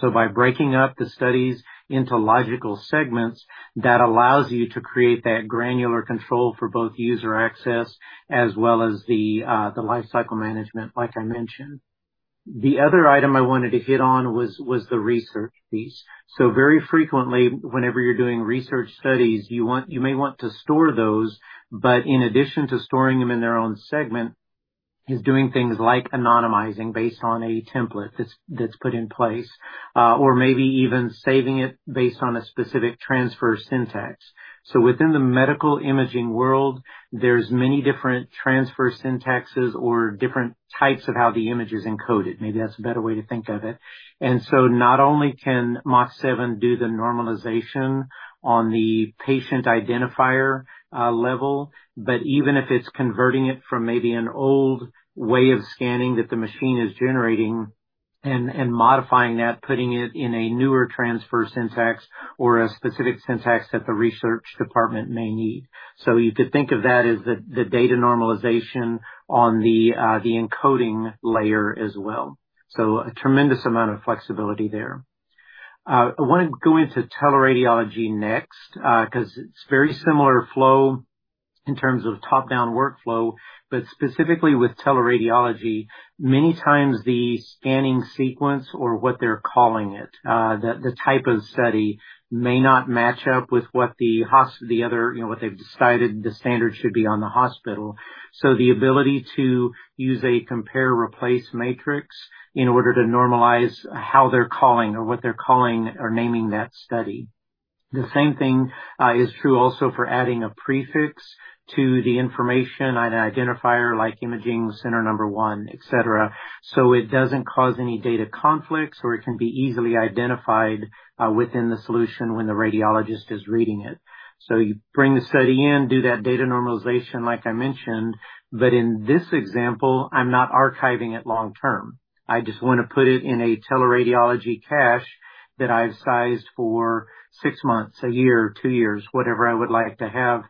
So by breaking up the studies into logical segments, that allows you to create that granular control for both user access as well as the, the life cycle management, like I mentioned. The other item I wanted to hit on was the research piece. So very frequently, whenever you're doing research studies, you want... You may want to store those, but in addition to storing them in their own segment, is doing things like anonymizing based on a template that's put in place, or maybe even saving it based on a specific transfer syntax. So within the medical imaging world, there's many different transfer syntaxes or different types of how the image is encoded. Maybe that's a better way to think of it. And so not only can Mach7 do the normalization on the patient identifier level, but even if it's converting it from maybe an old way of scanning that the machine is generating and modifying that, putting it in a newer transfer syntax or a specific syntax that the research department may need. So you could think of that as the, the data normalization on the, the encoding layer as well. So a tremendous amount of flexibility there. I want to go into teleradiology next, 'cause it's very similar flow in terms of top-down workflow, but specifically with teleradiology, many times the scanning sequence or what they're calling it, the, the type of study may not match up with what the other, you know, what they've decided the standard should be on the hospital. So the ability to use a compare/replace matrix in order to normalize how they're calling or what they're calling or naming that study. The same thing, is true also for adding a prefix to the information on an identifier, like imaging center number one, et cetera, so it doesn't cause any data conflicts, or it can be easily identified, within the solution when the radiologist is reading it. So you bring the study in, do that data normalization, like I mentioned, but in this example, I'm not archiving it long term. I just want to put it in a teleradiology cache that I've sized for six months, a year, two years, whatever I would like to have,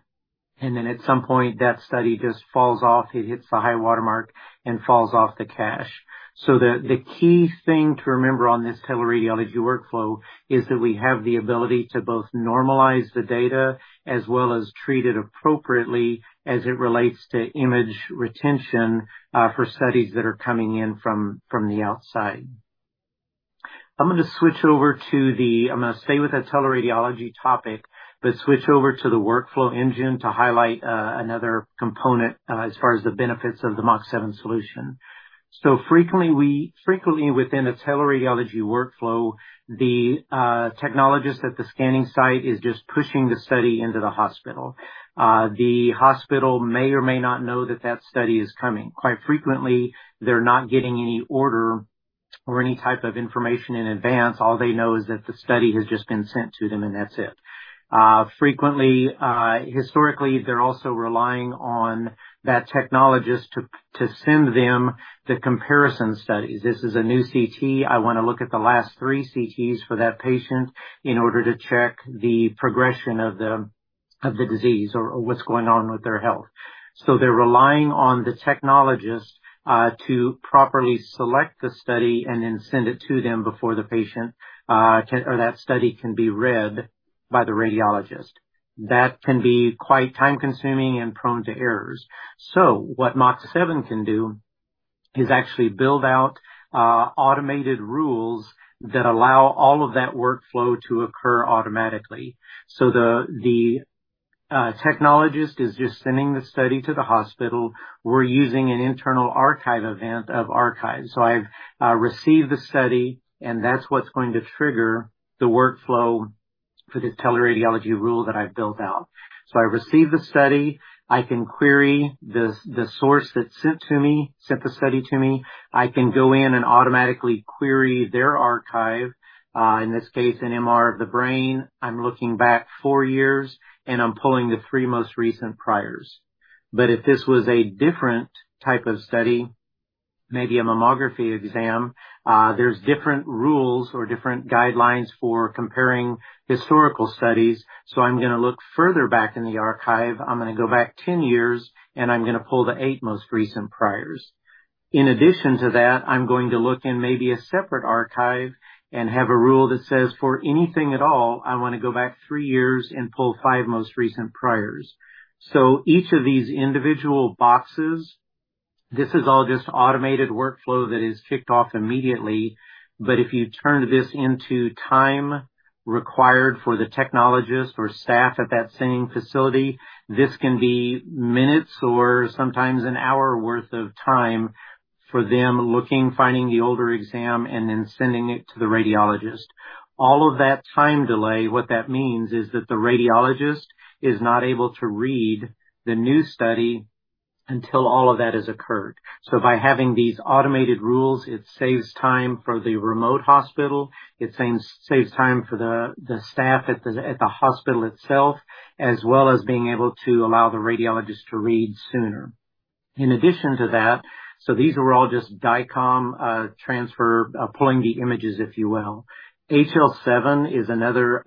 and then at some point, that study just falls off. It hits the high water mark and falls off the cache. So the key thing to remember on this teleradiology workflow is that we have the ability to both normalize the data as well as treat it appropriately as it relates to image retention, for studies that are coming in from the outside. I'm going to switch over to the... I'm going to stay with that teleradiology topic, but switch over to the workflow engine to highlight, another component, as far as the benefits of the Mach7 solution. So frequently, frequently within a teleradiology workflow, the technologist at the scanning site is just pushing the study into the hospital. The hospital may or may not know that that study is coming. Quite frequently, they're not getting any order or any type of information in advance. All they know is that the study has just been sent to them, and that's it. Frequently, historically, they're also relying on that technologist to send them the comparison studies. "This is a new CT. I want to look at the last three CTs for that patient in order to check the progression of the disease or what's going on with their health." So they're relying on the technologist to properly select the study and then send it to them before the patient can... Or that study can be read by the radiologist. That can be quite time-consuming and prone to errors. So what Mach7 can do is actually build out automated rules that allow all of that workflow to occur automatically. So the technologist is just sending the study to the hospital. We're using an internal archive event of archives. So I've received the study, and that's what's going to trigger the workflow for the teleradiology rule that I've built out. So I receive the study. I can query the source that's sent to me, sent the study to me. I can go in and automatically query their archive, in this case, an MR of the brain. I'm looking back four years, and I'm pulling the three most recent priors. But if this was a different type of study, maybe a mammography exam, there's different rules or different guidelines for comparing historical studies, so I'm going to look further back in the archive. I'm going to go back 10 years, and I'm going to pull the eight most recent priors. In addition to that, I'm going to look in maybe a separate archive and have a rule that says, for anything at all, I want to go back three years and pull five most recent priors. So each of these individual boxes, this is all just automated workflow that is kicked off immediately. But if you turn this into time required for the technologist or staff at that same facility, this can be minutes or sometimes an hour worth of time for them looking, finding the older exam, and then sending it to the radiologist. All of that time delay, what that means is that the radiologist is not able to read the new study until all of that has occurred. So by having these automated rules, it saves time for the remote hospital, it saves time for the staff at the hospital itself, as well as being able to allow the radiologist to read sooner. In addition to that, so these are all just DICOM transfer pulling the images, if you will. HL7 is another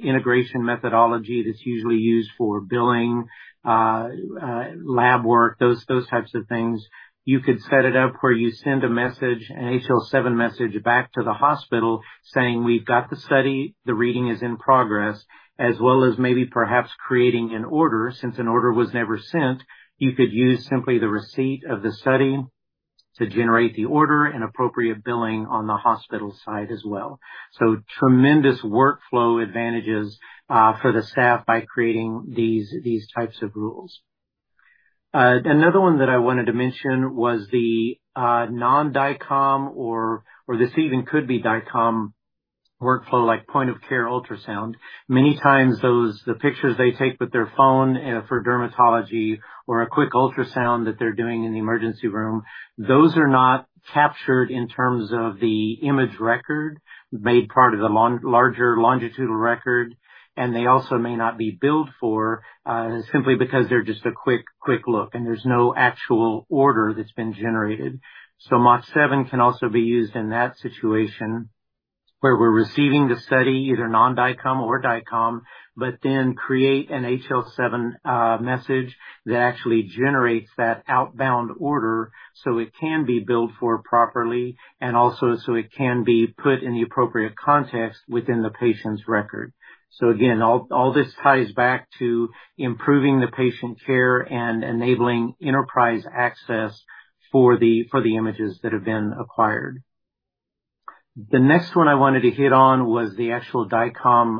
integration methodology that's usually used for billing, lab work, those types of things. You could set it up where you send a message, an HL7 message back to the hospital saying, "We've got the study, the reading is in progress," as well as maybe perhaps creating an order. Since an order was never sent, you could use simply the receipt of the study to generate the order and appropriate billing on the hospital side as well. So tremendous workflow advantages for the staff by creating these types of rules. Another one that I wanted to mention was the non-DICOM or this even could be DICOM workflow, like point of care ultrasound. Many times those pictures they take with their phone for dermatology or a quick ultrasound that they're doing in the emergency room, those are not captured in terms of the image record, made part of the larger longitudinal record, and they also may not be billed for simply because they're just a quick look, and there's no actual order that's been generated. So Mach7 can also be used in that situation, where we're receiving the study, either non-DICOM or DICOM, but then create an HL7 message, that actually generates that outbound order, so it can be billed for properly, and also so it can be put in the appropriate context within the patient's record. So again, all this ties back to improving the patient care and enabling enterprise access for the, for the images that have been acquired. The next one I wanted to hit on was the actual DICOM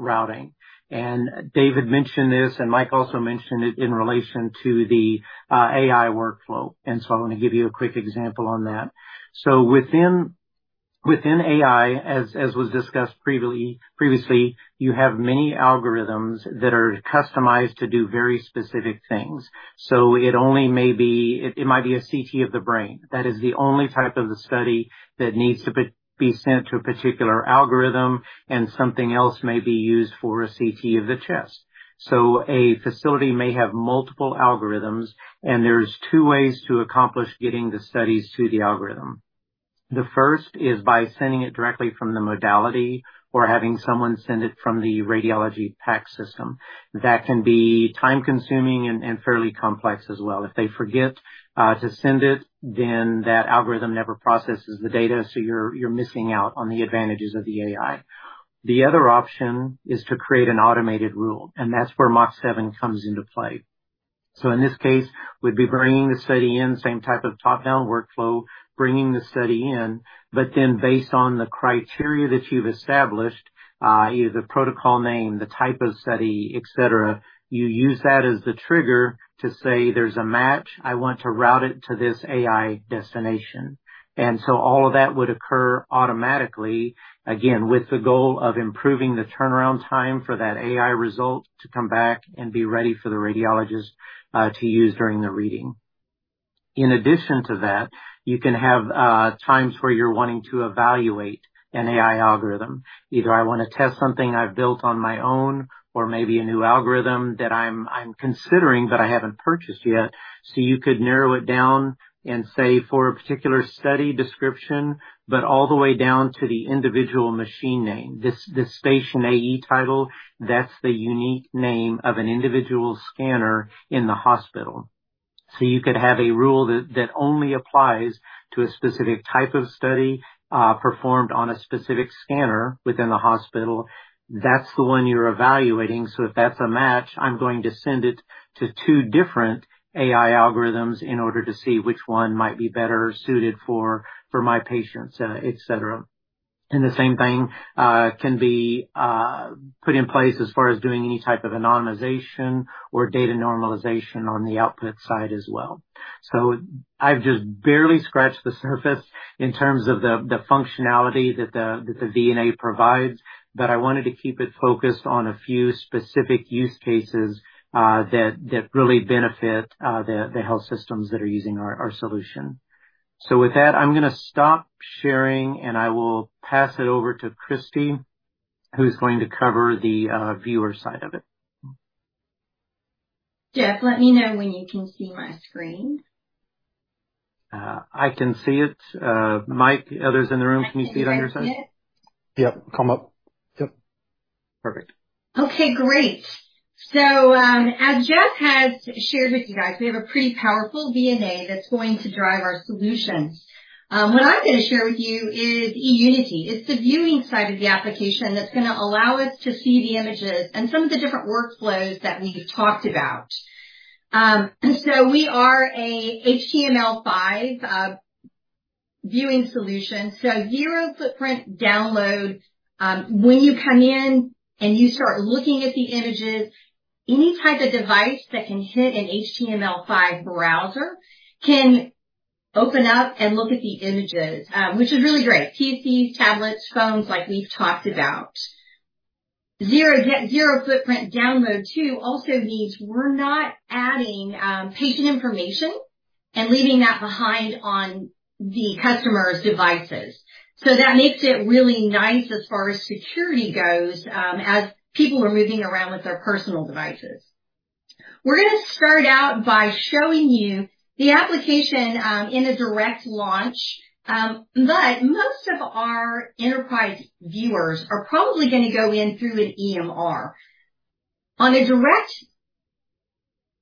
routing. And David mentioned this, and Mike also mentioned it in relation to the AI workflow, and so I want to give you a quick example on that. So within AI, as was discussed previously, you have many algorithms that are customized to do very specific things. So it only may be... It might be a CT of the brain. That is the only type of study that needs to be sent to a particular algorithm, and something else may be used for a CT of the chest. So a facility may have multiple algorithms, and there's two ways to accomplish getting the studies to the algorithm. The first is by sending it directly from the modality or having someone send it from the radiology PACS. That can be time-consuming and fairly complex as well. If they forget to send it, then that algorithm never processes the data, so you're missing out on the advantages of the AI. The other option is to create an automated rule, and that's where Mach7 comes into play. So in this case, we'd be bringing the study in, same type of top-down workflow, bringing the study in, but then based on the criteria that you've established, either the protocol name, the type of study, et cetera, you use that as the trigger to say, "There's a match. I want to route it to this AI destination." And so all of that would occur automatically, again, with the goal of improving the turnaround time for that AI result to come back and be ready for the radiologist to use during the reading. In addition to that, you can have times where you're wanting to evaluate an AI algorithm. Either I want to test something I've built on my own or maybe a new algorithm that I'm considering, but I haven't purchased yet. So you could narrow it down and say, for a particular study description, but all the way down to the individual machine name. This, this station AE title, that's the unique name of an individual scanner in the hospital. So you could have a rule that, that only applies to a specific type of study performed on a specific scanner within the hospital. That's the one you're evaluating, so if that's a match, I'm going to send it to two different AI algorithms in order to see which one might be better suited for, for my patients, et cetera. And the same thing can be put in place as far as doing any type of anonymization or data normalization on the output side as well. So I've just barely scratched the surface in terms of the functionality that the VNA provides, but I wanted to keep it focused on a few specific use cases that really benefit the health systems that are using our solution. So with that, I'm going to stop sharing, and I will pass it over to Kristi, who's going to cover the viewer side of it.... Jeff, let me know when you can see my screen. I can see it. Mike, others in the room, can you see it on your side? Yep, come up. Yep. Perfect. Okay, great. So, as Jeff has shared with you guys, we have a pretty powerful VNA that's going to drive our solutions. What I'm gonna share with you is eUnity. It's the viewing side of the application that's gonna allow us to see the images and some of the different workflows that we've talked about. So we are a HTML5 viewing solution, so zero footprint download. When you come in and you start looking at the images, any type of device that can hit an HTML5 browser can open up and look at the images, which is really great. PCs, tablets, phones, like we've talked about. Zero, zero footprint download too, also means we're not adding patient information and leaving that behind on the customer's devices. So that makes it really nice as far as security goes, as people are moving around with their personal devices. We're gonna start out by showing you the application in a direct launch. But most of our enterprise viewers are probably gonna go in through an EMR. On a direct,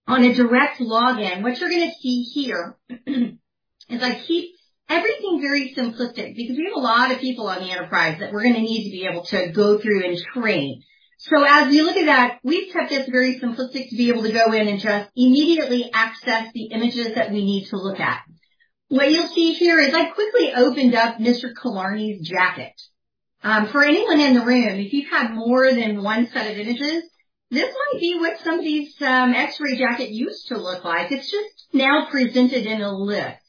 on a direct login, what you're gonna see here is I keep everything very simplistic, because we have a lot of people on the enterprise that we're gonna need to be able to go through and train. So as we look at that, we've kept this very simplistic to be able to go in and just immediately access the images that we need to look at. What you'll see here is I quickly opened up Mr. Killarney's jacket. For anyone in the room, if you've had more than one set of images, this might be what some of these, X-ray jacket used to look like. It's just now presented in a list.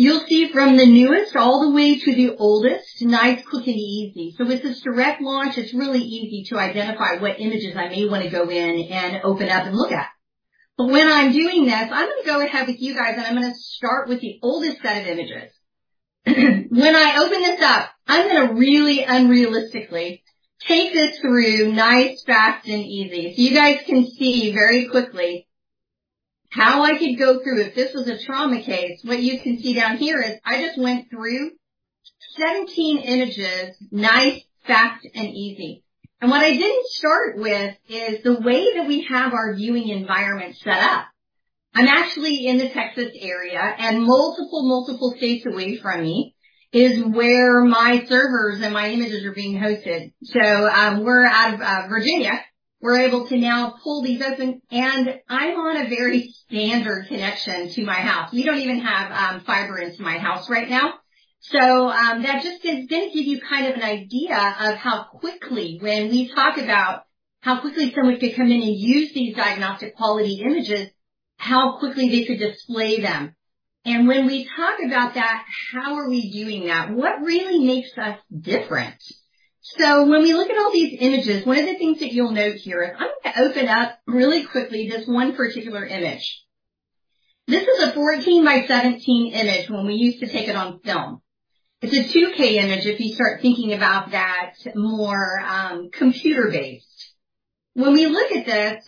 You'll see from the newest all the way to the oldest, nice, quick, and easy. So with this direct launch, it's really easy to identify what images I may wanna go in and open up and look at. But when I'm doing this, I'm gonna go ahead with you guys, and I'm gonna start with the oldest set of images. When I open this up, I'm gonna really unrealistically take this through nice, fast, and easy. So you guys can see very quickly how I could go through if this was a trauma case. What you can see down here is I just went through 17 images nice, fast, and easy. What I didn't start with is the way that we have our viewing environment set up. I'm actually in the Texas area, and multiple, multiple states away from me is where my servers and my images are being hosted. So, we're out of Virginia. We're able to now pull these open, and I'm on a very standard connection to my house. We don't even have fiber into my house right now. So, that just is gonna give you kind of an idea of how quickly, when we talk about how quickly someone could come in and use these diagnostic quality images, how quickly they could display them. And when we talk about that, how are we doing that? What really makes us different? So when we look at all these images, one of the things that you'll note here is I'm going to open up really quickly, this one particular image. This is a 14 by 17 image when we used to take it on film. It's a 2K image if you start thinking about that more, computer-based. When we look at this,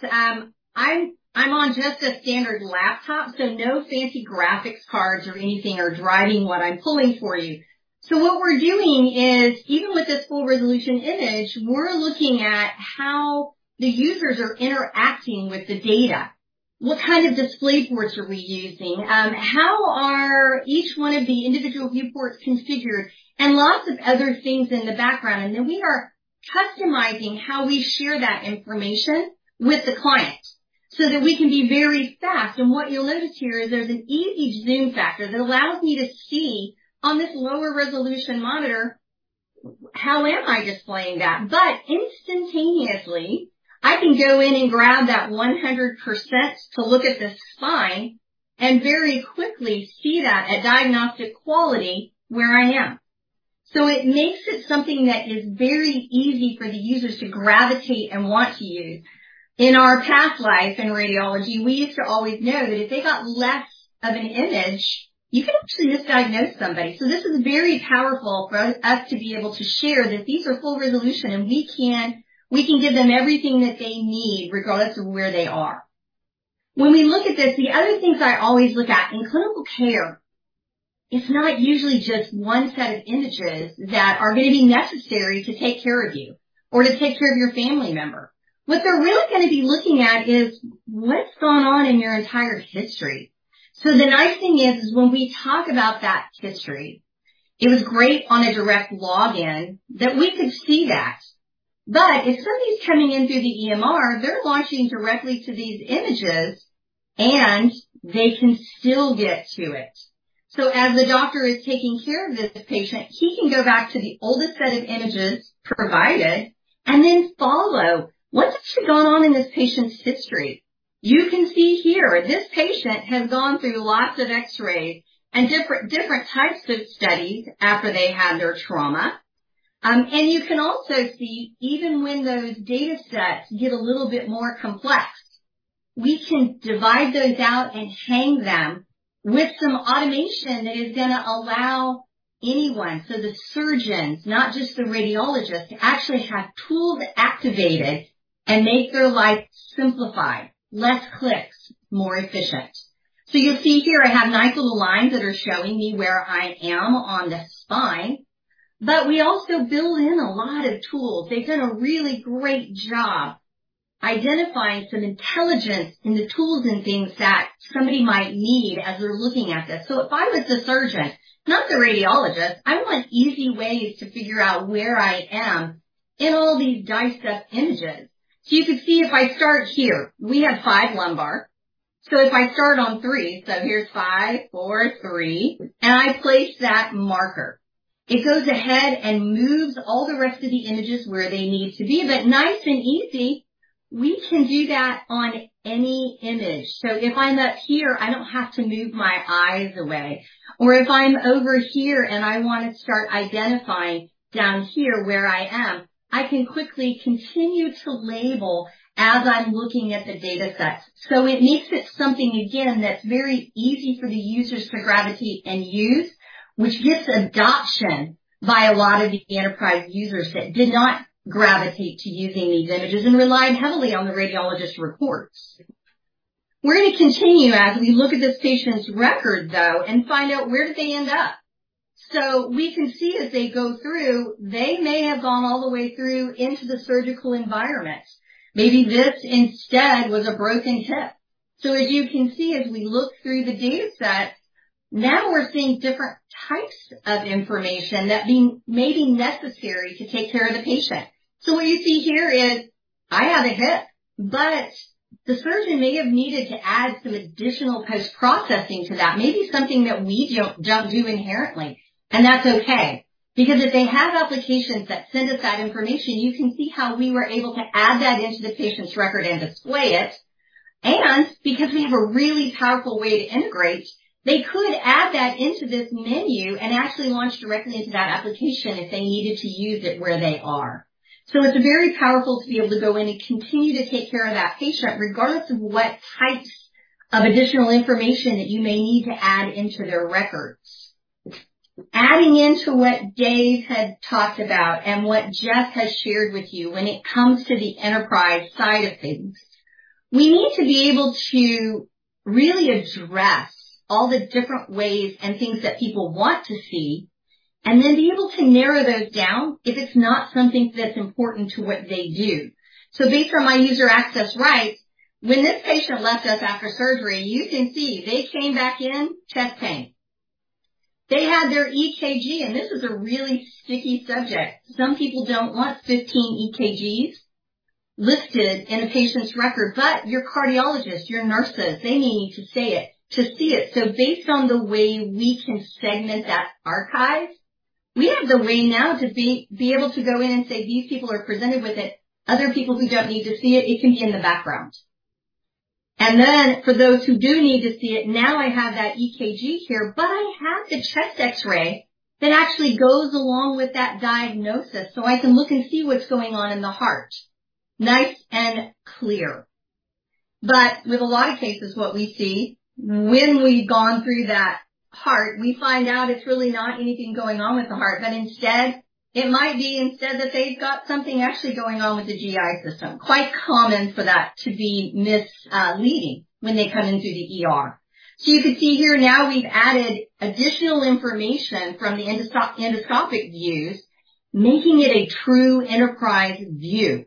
I'm on just a standard laptop, so no fancy graphics cards or anything are driving what I'm pulling for you. So what we're doing is, even with this full resolution image, we're looking at how the users are interacting with the data. What kind of display ports are we using? How are each one of the individual viewports configured? And lots of other things in the background. And then we are customizing how we share that information with the client so that we can be very fast. And what you'll notice here is there's an easy zoom factor that allows me to see on this lower resolution monitor, how am I displaying that? But instantaneously, I can go in and grab that 100% to look at the spine and very quickly see that at diagnostic quality where I am. So it makes it something that is very easy for the users to gravitate and want to use. In our past life, in radiology, we used to always know that if they got less of an image, you could actually misdiagnose somebody. So this is very powerful for us to be able to share that these are full resolution, and we can give them everything that they need regardless of where they are. When we look at this, the other things I always look at, in clinical care, it's not usually just one set of images that are gonna be necessary to take care of you or to take care of your family member. What they're really gonna be looking at is what's going on in your entire history. So the nice thing is, when we talk about that history, it was great on a direct login that we could see that. But if somebody's coming in through the EMR, they're launching directly to these images, and they can still get to it. So as the doctor is taking care of this patient, he can go back to the oldest set of images provided and then follow what has actually gone on in this patient's history. You can see here, this patient has gone through lots of X-rays and different, different types of studies after they had their trauma. And you can also see even when those datasets get a little bit more complex, we can divide those out and hang them with some automation that is gonna allow anyone, so the surgeons, not just the radiologists, actually have tools activated and make their life simplified, less clicks, more efficient. So you'll see here I have nice little lines that are showing me where I am on the spine, but we also build in a lot of tools. They've done a really great job identifying some intelligence in the tools and things that somebody might need as they're looking at this. So if I was the surgeon, not the radiologist, I want easy ways to figure out where I am in all these diced up images. So you can see if I start here, we have five lumbar. So if I start on three, so here's five, four, three, and I place that marker. It goes ahead and moves all the rest of the images where they need to be, but nice and easy, we can do that on any image. So if I'm up here, I don't have to move my eyes away, or if I'm over here and I want to start identifying down here where I am, I can quickly continue to label as I'm looking at the data set. So it makes it something, again, that's very easy for the users to gravitate and use, which gets adoption by a lot of the enterprise users that did not gravitate to using these images and relied heavily on the radiologist's reports. We're going to continue as we look at this patient's record, though, and find out where did they end up? So we can see as they go through, they may have gone all the way through into the surgical environment. Maybe this instead was a broken hip. So as you can see, as we look through the data set, now we're seeing different types of information that being, may be necessary to take care of the patient. So what you see here is I have a hip, but the surgeon may have needed to add some additional post-processing to that, maybe something that we don't, don't do inherently. That's okay, because if they have applications that send us that information, you can see how we were able to add that into the patient's record and display it. Because we have a really powerful way to integrate, they could add that into this menu and actually launch directly into that application if they needed to use it where they are. It's very powerful to be able to go in and continue to take care of that patient, regardless of what types of additional information that you may need to add into their records. Adding into what Dave had talked about and what Jeff has shared with you, when it comes to the enterprise side of things, we need to be able to really address all the different ways and things that people want to see, and then be able to narrow those down if it's not something that's important to what they do. So based on my user access rights, when this patient left us after surgery, you can see they came back in, chest pain. They had their EKG, and this is a really sticky subject. Some people don't want 15 EKGs listed in a patient's record, but your cardiologists, your nurses, they need to say it, to see it. So based on the way we can segment that archive, we have the way now to be able to go in and say, these people are presented with it, other people who don't need to see it, it can be in the background. And then for those who do need to see it, now I have that EKG here, but I have the chest X-ray that actually goes along with that diagnosis, so I can look and see what's going on in the heart, nice and clear. But with a lot of cases, what we see when we've gone through that heart, we find out it's really not anything going on with the heart, but instead, it might be instead that they've got something actually going on with the GI system. Quite common for that to be misleading when they come into the ER. So you can see here now we've added additional information from the endoscope, endoscopic views, making it a true enterprise view.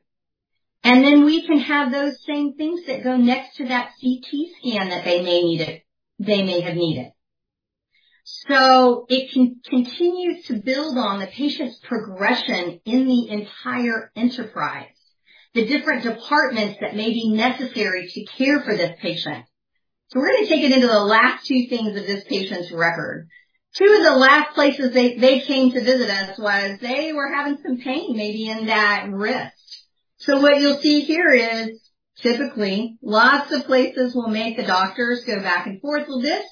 Then we can have those same things that go next to that CT scan that they may need it, they may have needed. So it can continue to build on the patient's progression in the entire enterprise, the different departments that may be necessary to care for this patient. So we're going to take it into the last two things of this patient's record. Two of the last places they, they came to visit us was they were having some pain, maybe in that wrist. So what you'll see here is typically, lots of places will make the doctors go back and forth. Well, this,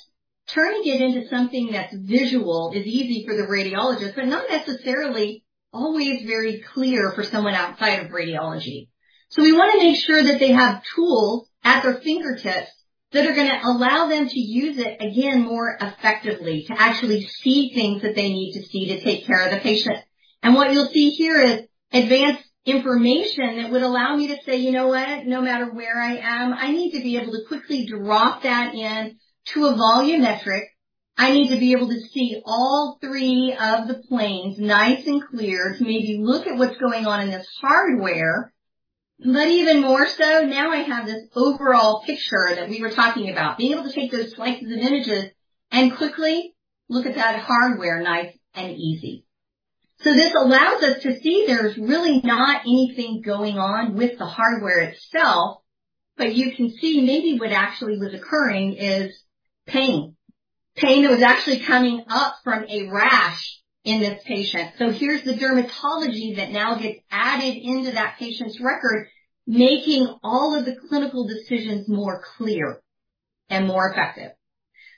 turning it into something that's visual is easy for the radiologist, but not necessarily always very clear for someone outside of radiology. So we want to make sure that they have tools at their fingertips that are going to allow them to use it, again, more effectively, to actually see things that they need to see to take care of the patient. And what you'll see here is advanced information that would allow me to say, you know what? No matter where I am, I need to be able to quickly drop that in to a volumetric. I need to be able to see all three of the planes nice and clear, to maybe look at what's going on in this hardware. But even more so, now I have this overall picture that we were talking about, being able to take those slices and images and quickly look at that hardware nice and easy. So this allows us to see there's really not anything going on with the hardware itself, but you can see maybe what actually was occurring is pain. Pain that was actually coming up from a rash in this patient. So here's the dermatology that now gets added into that patient's record, making all of the clinical decisions more clear and more effective.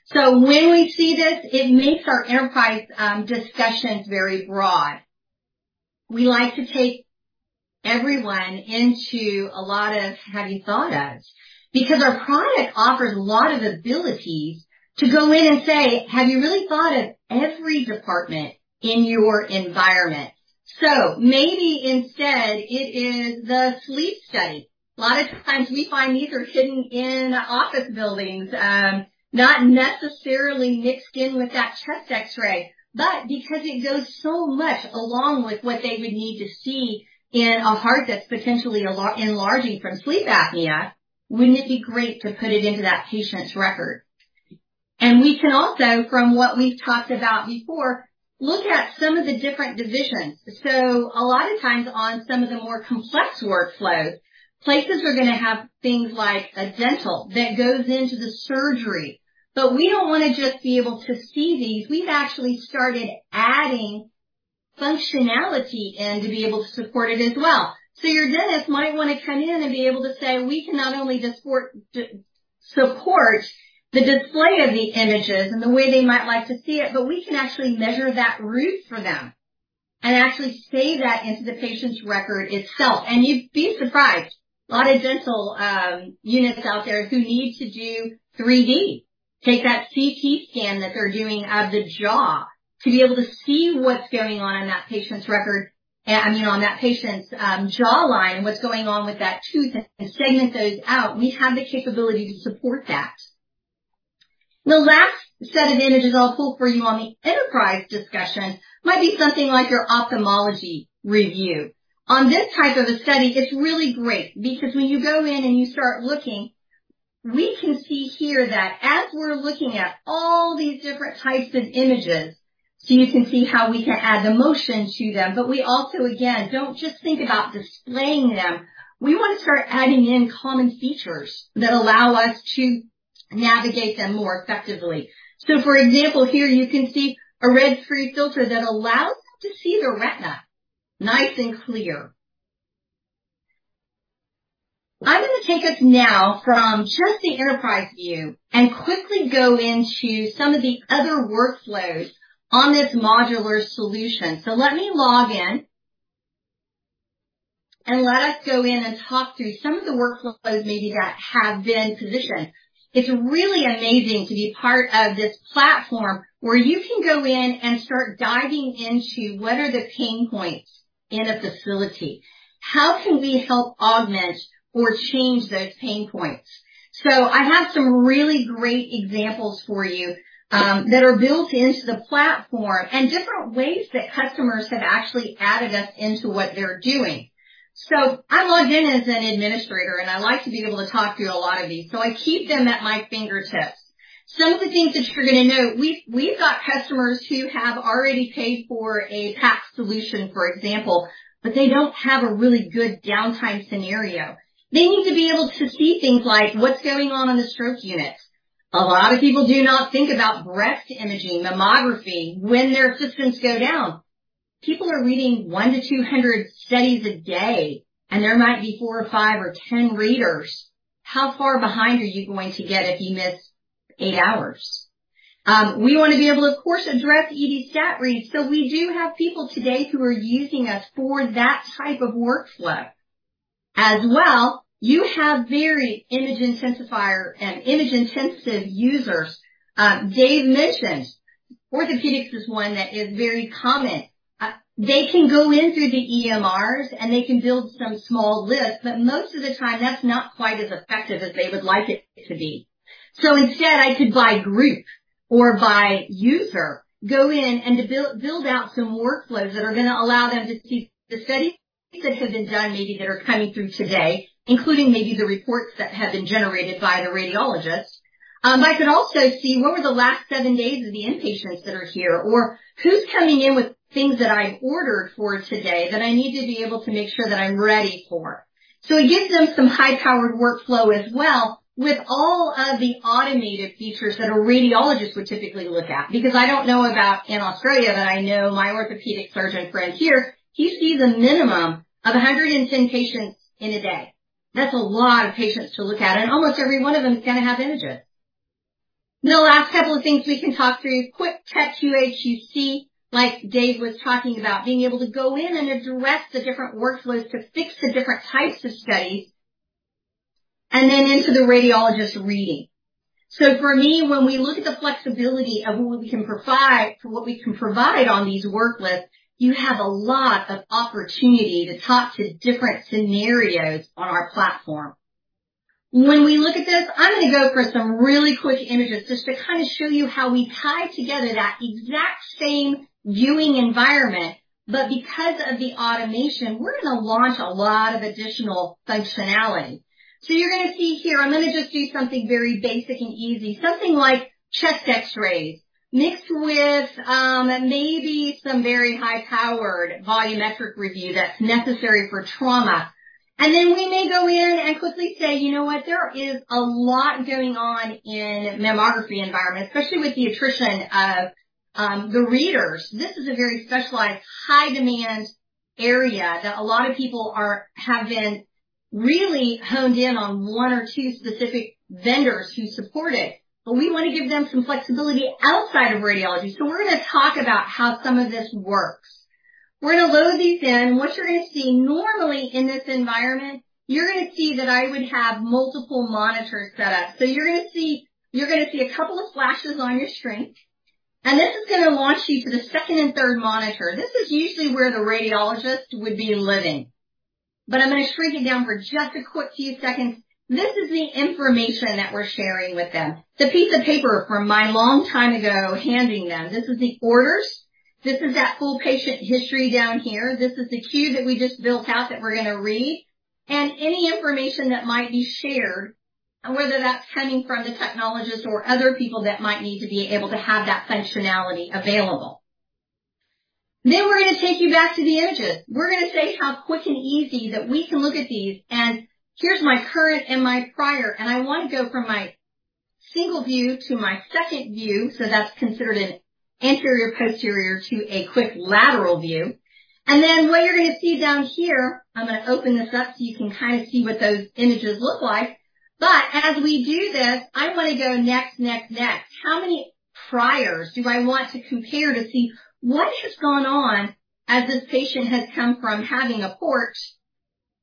So when we see this, it makes our enterprise discussions very broad. We like to take everyone into a lot of have you thought of? Because our product offers a lot of abilities to go in and say, have you really thought of every department in your environment? So maybe instead it is the sleep study. A lot of times we find these are hidden in office buildings, not necessarily mixed in with that chest X-ray, but because it goes so much along with what they would need to see in a heart that's potentially a lot enlarging from sleep apnea. Wouldn't it be great to put it into that patient's record? And we can also, from what we've talked about before, look at some of the different divisions. So a lot of times on some of the more complex workflows, places are gonna have things like a dental that goes into the surgery. But we don't wanna just be able to see these. We've actually started adding functionality in to be able to support it as well. So your dentist might want to come in and be able to say, we can not only just support the display of the images and the way they might like to see it, but we can actually measure that root for them and actually save that into the patient's record itself. And you'd be surprised, a lot of dental units out there who need to do 3D. Take that CT scan that they're doing of the jaw to be able to see what's going on in that patient's record, and I mean, on that patient's jawline, what's going on with that tooth and segment those out. We have the capability to support that. The last set of images I'll pull for you on the enterprise discussion might be something like your ophthalmology review. On this type of a study, it's really great because when you go in and you start looking, we can see here that as we're looking at all these different types of images, so you can see how we can add the motion to them. But we also, again, don't just think about displaying them. We want to start adding in common features that allow us to navigate them more effectively. So for example, here you can see a red free filter that allows you to see the retina nice and clear. I'm going to take us now from just the enterprise view and quickly go into some of the other workflows on this modular solution. So let me log in, and let us go in and talk through some of the workflows maybe that have been positioned. It's really amazing to be part of this platform where you can go in and start diving into what are the pain points in a facility? How can we help augment or change those pain points? So I have some really great examples for you, that are built into the platform and different ways that customers have actually added us into what they're doing. So I'm logged in as an administrator, and I like to be able to talk through a lot of these, so I keep them at my fingertips. Some of the things that you're going to note, we've got customers who have already paid for a PACS solution, for example, but they don't have a really good downtime scenario. They need to be able to see things like what's going on in the stroke unit. A lot of people do not think about breast imaging, mammography, when their systems go down. People are reading 100-200 studies a day, and there might be four or five or 10 readers. How far behind are you going to get if you miss eight hours? We want to be able, of course, address ED stat reads. So we do have people today who are using us for that type of workflow. As well, you have very image intensifier and image-intensive users. Dave mentioned orthopedics is one that is very common. They can go in through the EMRs, and they can build some small lists, but most of the time, that's not quite as effective as they would like it to be. So instead, I could, by group or by user, go in and to build out some workflows that are going to allow them to see the studies that have been done, maybe that are coming through today, including maybe the reports that have been generated by the radiologist. I could also see what were the last seven days of the inpatients that are here, or who's coming in with things that I've ordered for today that I need to be able to make sure that I'm ready for. So it gives them some high-powered workflow as well, with all of the automated features that a radiologist would typically look at. Because I don't know about in Australia, but I know my orthopedic surgeon friend here, he sees a minimum of 110 patients in a day. That's a lot of patients to look at, and almost every one of them is going to have images. The last couple of things we can talk through, quick touch QC, like Dave was talking about, being able to go in and address the different workflows to fix the different types of studies and then into the radiologist reading. So for me, when we look at the flexibility of what we can provide, what we can provide on these worklists, you have a lot of opportunity to talk to different scenarios on our platform. When we look at this, I'm going to go through some really quick images just to kind of show you how we tie together that exact same viewing environment. But because of the automation, we're going to launch a lot of additional functionality. So you're going to see here, I'm going to just do something very basic and easy. Something like chest X-rays mixed with, maybe some very high-powered volumetric review that's necessary for trauma. And then we may go in and quickly say, you know what? There is a lot going on in mammography environment, especially with the attrition of the readers. This is a very specialized, high-demand area that a lot of people have been really honed in on one or two specific vendors who support it, but we want to give them some flexibility outside of radiology. So we're going to talk about how some of this works. We're going to load these in, and what you're going to see normally in this environment, you're going to see that I would have multiple monitors set up. So you're going to see, you're going to see a couple of flashes on your screen, and this is going to launch you to the second and third monitor. This is usually where the radiologist would be living, but I'm going to shrink it down for just a quick few seconds. This is the information that we're sharing with them. The piece of paper from a long time ago, handing them. This is the orders. This is that full patient history down here. This is the queue that we just built out that we're going to read and any information that might be shared, whether that's coming from the technologist or other people that might need to be able to have that functionality available. Then we're going to take you back to the images. We're going to say how quick and easy that we can look at these. Here's my current and my prior, and I want to go from my single view to my second view. So that's considered an anterior posterior to a quick lateral view. And then what you're going to see down here, I'm going to open this up so you can kind of see what those images look like. But as we do this, I want to go next, next, next. How many priors do I want to compare to see what has gone on as this patient has come from having a port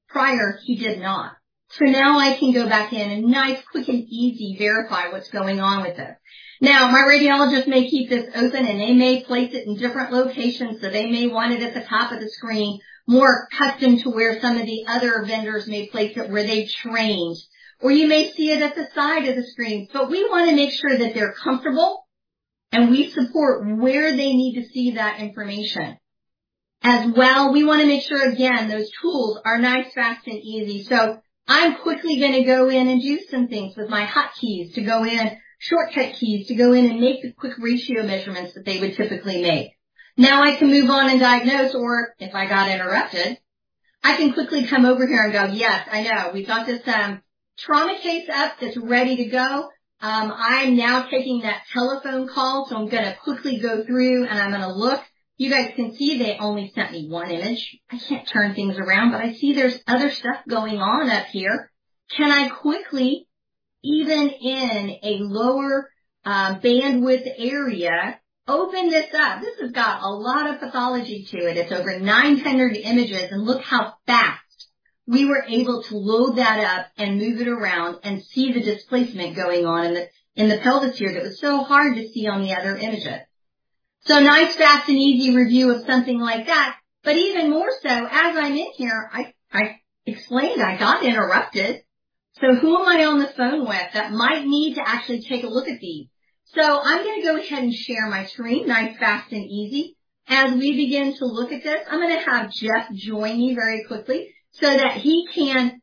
prior, he did not. So now I can go back in and nice, quick, and easy, verify what's going on with this. Now, my radiologist may keep this open, and they may place it in different locations, so they may want it at the top of the screen, more accustomed to where some of the other vendors may place it, where they trained, or you may see it at the side of the screen. But we want to make sure that they're comfortable, and we support where they need to see that information. As well, we want to make sure, again, those tools are nice, fast, and easy. So I'm quickly going to go in and do some things with my hot keys to go in, shortcut keys to go in and make the quick ratio measurements that they would typically make. Now I can move on and diagnose, or if I got interrupted, I can quickly come over here and go, "Yes, I know. We've got this, trauma case up that's ready to go." I'm now taking that telephone call, so I'm going to quickly go through and I'm going to look. You guys can see they only sent me one image. I can't turn things around, but I see there's other stuff going on up here. Can I quickly, even in a lower bandwidth area, open this up? This has got a lot of pathology to it. It's over 900 images, and look how fast we were able to load that up and move it around and see the displacement going on in the, in the pelvis here that was so hard to see on the other images. Nice, fast, and easy review of something like that. Even more so, as I'm in here, I explained I got interrupted. So who am I on the phone with that might need to actually take a look at these? So I'm going to go ahead and share my screen. Nice, fast, and easy. As we begin to look at this, I'm going to have Jeff join me very quickly so that he can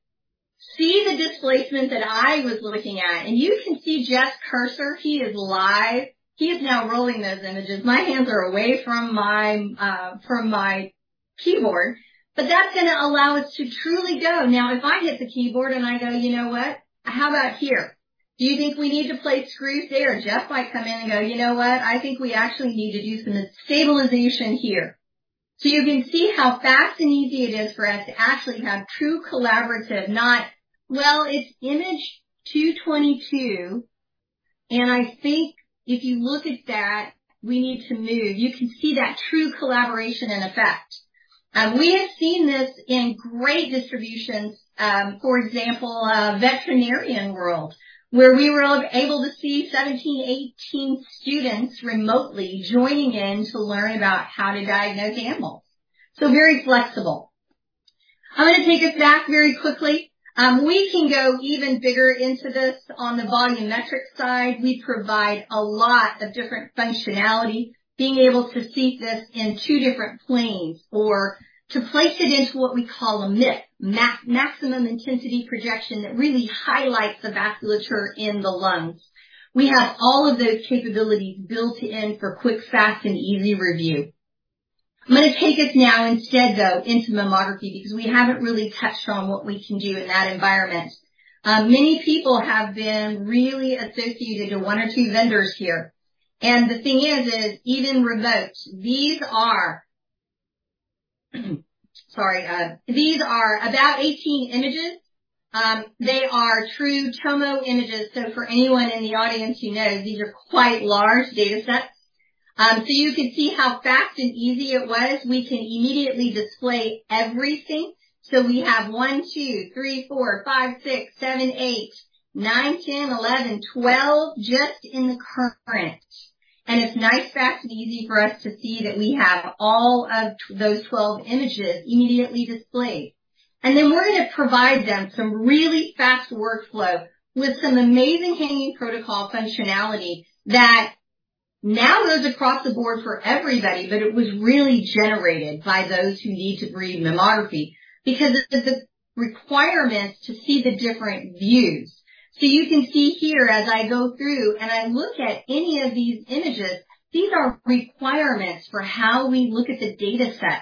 see the displacement that I was looking at. And you can see Jeff's cursor. He is live. He is now rolling those images. My hands are away from my, from my keyboard, but that's going to allow us to truly go. Now, if I hit the keyboard and I go, "You know what? How about here? Do you think we need to place screws there?" Jeff might come in and go, "You know what? I think we actually need to do some stabilization here. You can see how fast and easy it is for us to actually have true collaborative, not, well, it's image 222, and I think if you look at that, we need to move. You can see that true collaboration in effect. We have seen this in great distributions. For example, a veterinarian world, where we were able to see 17, 18 students remotely joining in to learn about how to diagnose animals. Very flexible. I'm going to take us back very quickly. We can go even bigger into this on the volumetric side. We provide a lot of different functionality, being able to see this in two different planes or to place it into what we call a MIP, Maximum Intensity Projection, that really highlights the vasculature in the lungs. We have all of those capabilities built in for quick, fast, and easy review. I'm going to take us now instead, though, into mammography, because we haven't really touched on what we can do in that environment. Many people have been really associated to one or two vendors here, and the thing is, even remote, these are... Sorry, these are about 18 images. They are true tomo images. For anyone in the audience who knows, these are quite large datasets. You can see how fast and easy it was. We can immediately display everything. We have one, two, three, four, five, six, seven, eight, nine, 10, 11, 12, just in the current. It's nice, fast, and easy for us to see that we have all of those 12 images immediately displayed. And then we're going to provide them some really fast workflow with some amazing hanging protocol functionality that now goes across the board for everybody. But it was really generated by those who need to read mammography because of the requirements to see the different views. So you can see here as I go through and I look at any of these images, these are requirements for how we look at the datasets,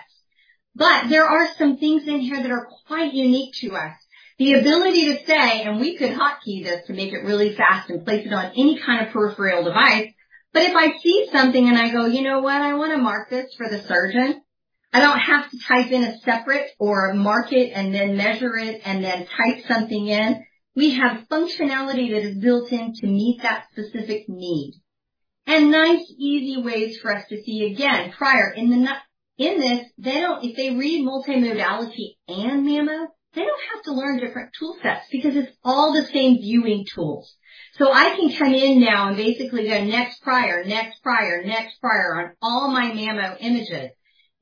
but there are some things in here that are quite unique to us. The ability to say, and we could hotkey this to make it really fast and place it on any kind of peripheral device. But if I see something and I go, "You know what? I want to mark this for the surgeon."... I don't have to type in a separate or mark it and then measure it and then type something in. We have functionality that is built in to meet that specific need. Nice, easy ways for us to see, again, prior. In this, they don't, if they read multimodality and mammo, they don't have to learn different tool sets because it's all the same viewing tools. So I can come in now and basically go next, prior, next, prior, next, prior, on all my mammo images.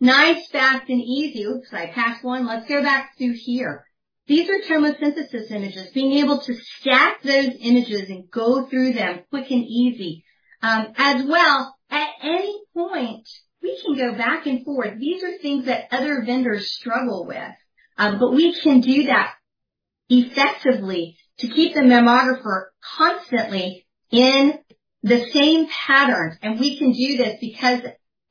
Nice, fast and easy. Oops, I passed one. Let's go back to here. These are tomosynthesis images. Being able to stack those images and go through them quick and easy. As well, at any point, we can go back and forth. These are things that other vendors struggle with, but we can do that effectively to keep the mammographer constantly in the same pattern. We can do this because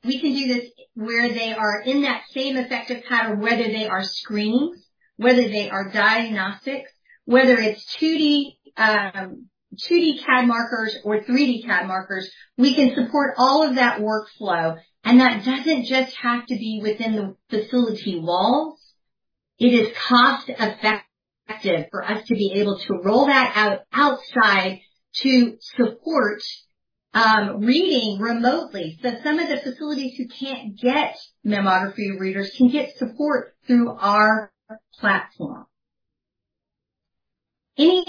we can do this where they are in that same effective pattern, whether they are screenings, whether they are diagnostics, whether it's 2D, 2D CAD markers or 3D CAD markers, we can support all of that workflow. And that doesn't just have to be within the facility walls. It is cost-effective for us to be able to roll that out outside to support reading remotely. So some of the facilities who can't get mammography readers can get support through our platform. Any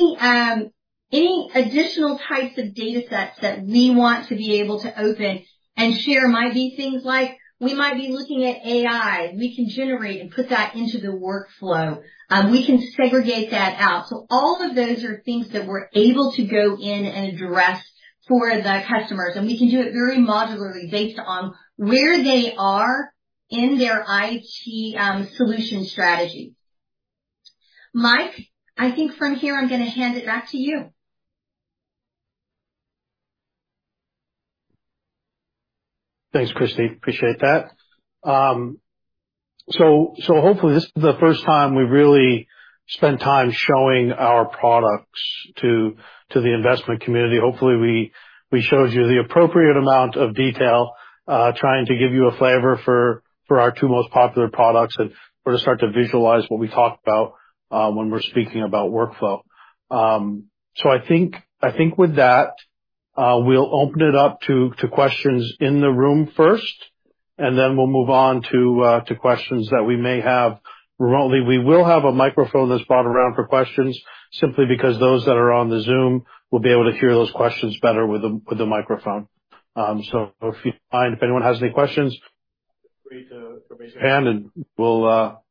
additional types of datasets that we want to be able to open and share might be things like, we might be looking at AI. We can generate and put that into the workflow. We can segregate that out. So all of those are things that we're able to go in and address for the customers, and we can do it very modularly based on where they are in their IT solution strategy. Mike, I think from here I'm going to hand it back to you. Thanks, Kristi. Appreciate that. So hopefully this is the first time we've really spent time showing our products to the investment community. Hopefully, we showed you the appropriate amount of detail, trying to give you a flavor for our two most popular products and to start to visualize what we talk about when we're speaking about workflow. So I think with that, we'll open it up to questions in the room first, and then we'll move on to questions that we may have remotely. We will have a microphone that's brought around for questions, simply because those that are on the Zoom will be able to hear those questions better with the microphone. So if anyone has any questions, feel free to raise your hand, and we'll...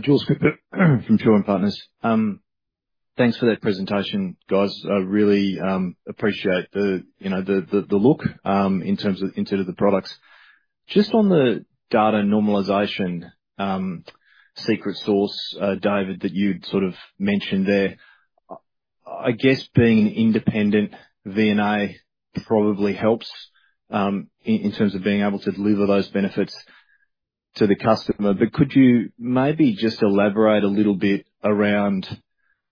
Jules Cooper from Shaw and Partners. Thanks for that presentation, guys. I really appreciate the, you know, the look in terms of, in terms of the products. Just on the data normalization, secret source, David, that you sort of mentioned there. I guess being an independent VNA probably helps, you know, in terms of being able to deliver those benefits to the customer. Could you maybe just elaborate a little bit around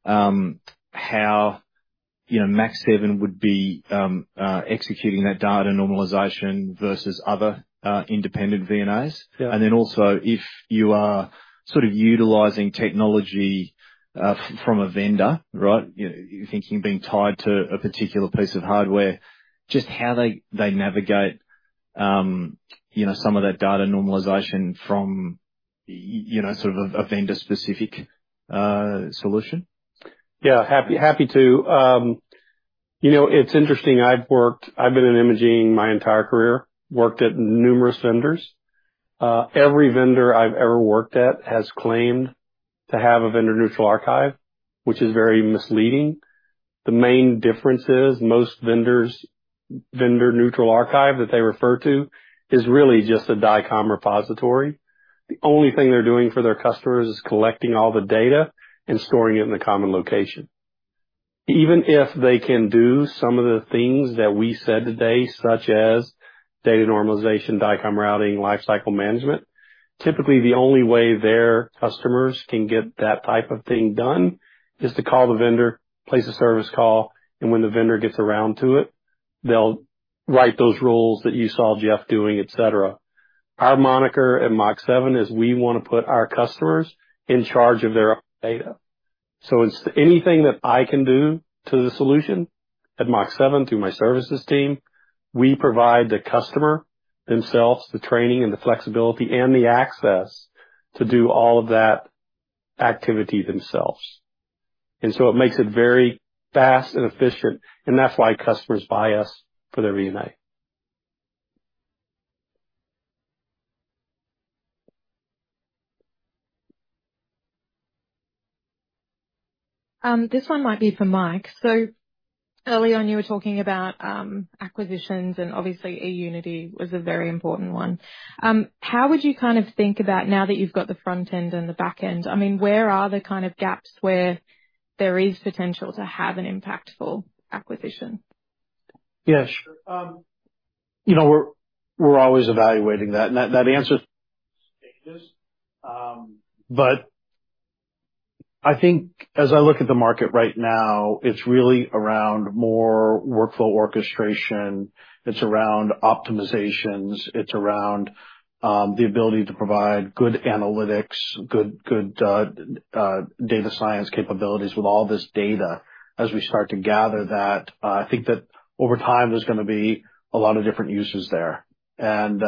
how, you know, Mach7 would be executing that data normalization versus other independent VNAs? Yeah. And then also, if you are sort of utilizing technology from a vendor, right, you know, thinking being tied to a particular piece of hardware, just how they, they navigate, you know, some of that data normalization from, you know, sort of a vendor-specific solution. Yeah, happy to. You know, it's interesting. I've been in imaging my entire career, worked at numerous vendors. Every vendor I've ever worked at has claimed to have a vendor-neutral archive, which is very misleading. The main difference is most vendors, vendor-neutral archive that they refer to is really just a DICOM repository. The only thing they're doing for their customers is collecting all the data and storing it in a common location. Even if they can do some of the things that we said today, such as data normalization, DICOM routing, lifecycle management, typically the only way their customers can get that type of thing done is to call the vendor, place a service call, and when the vendor gets around to it, they'll write those rules that you saw Jeff doing, et cetera. Our moniker at Mach7 is we want to put our customers in charge of their own data. So it's anything that I can do to the solution at Mach7, through my services team, we provide the customer themselves the training and the flexibility and the access to do all of that activity themselves. And so it makes it very fast and efficient, and that's why customers buy us for their VNA. This one might be for Mike. So earlier on, you were talking about acquisitions, and obviously, eUnity was a very important one. How would you kind of think about now that you've got the front end and the back end? I mean, where are the kind of gaps where there is potential to have an impactful acquisition? ... Yeah, sure. You know, we're, we're always evaluating that, and that, that answer is, but I think as I look at the market right now, it's really around more workflow orchestration, it's around optimizations, it's around, the ability to provide good analytics, good, good, data science capabilities with all this data. As we start to gather that, I think that over time, there's gonna be a lot of different uses there. And,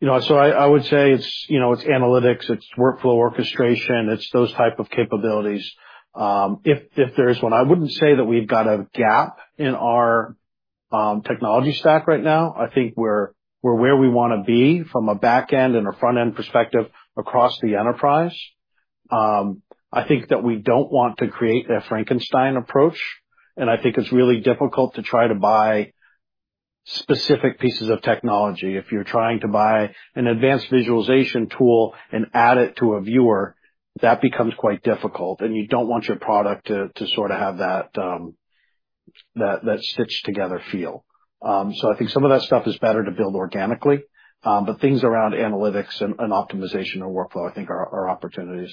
you know, so I, I would say it's, you know, it's analytics, it's workflow orchestration, it's those type of capabilities. If, if there is one, I wouldn't say that we've got a gap in our, technology stack right now. I think we're, we're where we wanna be from a back end and a front end perspective across the enterprise. I think that we don't want to create a Frankenstein approach, and I think it's really difficult to try to buy specific pieces of technology. If you're trying to buy an advanced visualization tool and add it to a viewer, that becomes quite difficult, and you don't want your product to sort of have that stitched together feel. So I think some of that stuff is better to build organically. But things around analytics and optimization or workflow, I think are opportunities.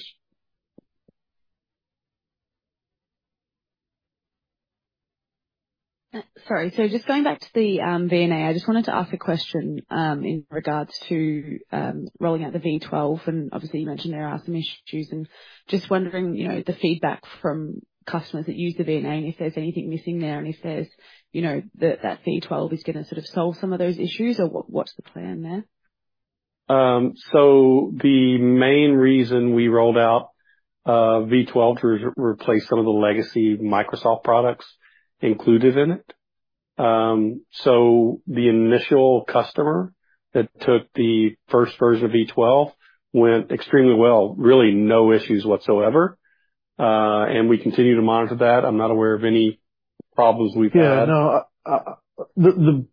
Sorry. So just going back to the VNA, I just wanted to ask a question in regards to rolling out the V12, and obviously you mentioned there are some issues, and just wondering, you know, the feedback from customers that use the VNA, and if there's anything missing there, and if there's, you know, that V12 is gonna sort of solve some of those issues, or what's the plan there? So the main reason we rolled out V12 to replace some of the legacy Microsoft products included in it. So the initial customer that took the first version of V12 went extremely well, really no issues whatsoever. And we continue to monitor that. I'm not aware of any problems we've had. Yeah, no, the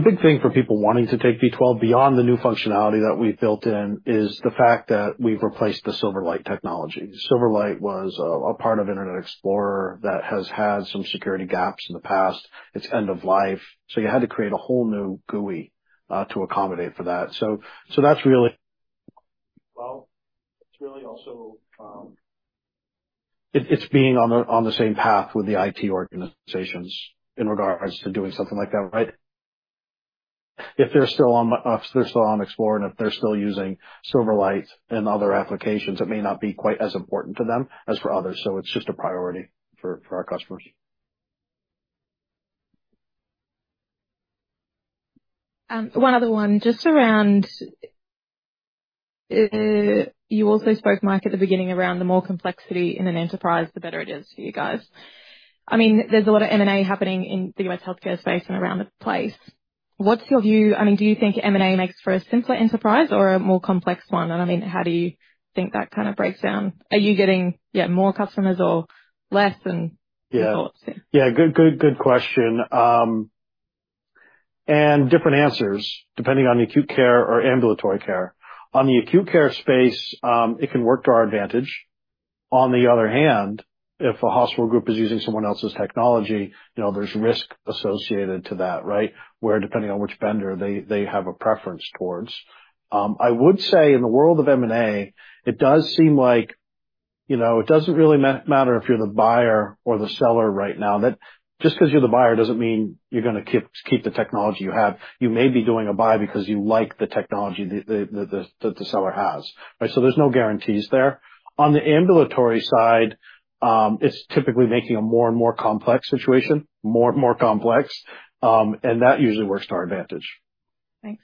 big thing for people wanting to take V12 beyond the new functionality that we've built in is the fact that we've replaced the Silverlight technology. Silverlight was a part of Internet Explorer that has had some security gaps in the past. It's end of life, so you had to create a whole new GUI to accommodate for that. So that's really- Well, it's really also, It's being on the same path with the IT organizations in regards to doing something like that, right? If they're still on Explorer, and if they're still using Silverlight and other applications, it may not be quite as important to them as for others, so it's just a priority for our customers. One other one, just around... You also spoke, Mike, at the beginning, around the more complexity in an enterprise, the better it is for you guys. I mean, there's a lot of M&A happening in the U.S. healthcare space and around the place. What's your view? I mean, do you think M&A makes for a simpler enterprise or a more complex one? And, I mean, how do you think that kind of breaks down? Are you getting, yeah, more customers or less, and your thoughts, yeah. Yeah. Good, good, good question. And different answers, depending on acute care or ambulatory care. On the acute care space, it can work to our advantage. On the other hand, if a hospital group is using someone else's technology, you know, there's risk associated to that, right? Where depending on which vendor they have a preference towards. I would say in the world of M&A, it does seem like, you know, it doesn't really matter if you're the buyer or the seller right now. That just because you're the buyer, doesn't mean you're gonna keep the technology you have. You may be doing a buy because you like the technology that the seller has, right? So there's no guarantees there. On the ambulatory side, it's typically making a more and more complex situation, more and more complex, and that usually works to our advantage. Thanks.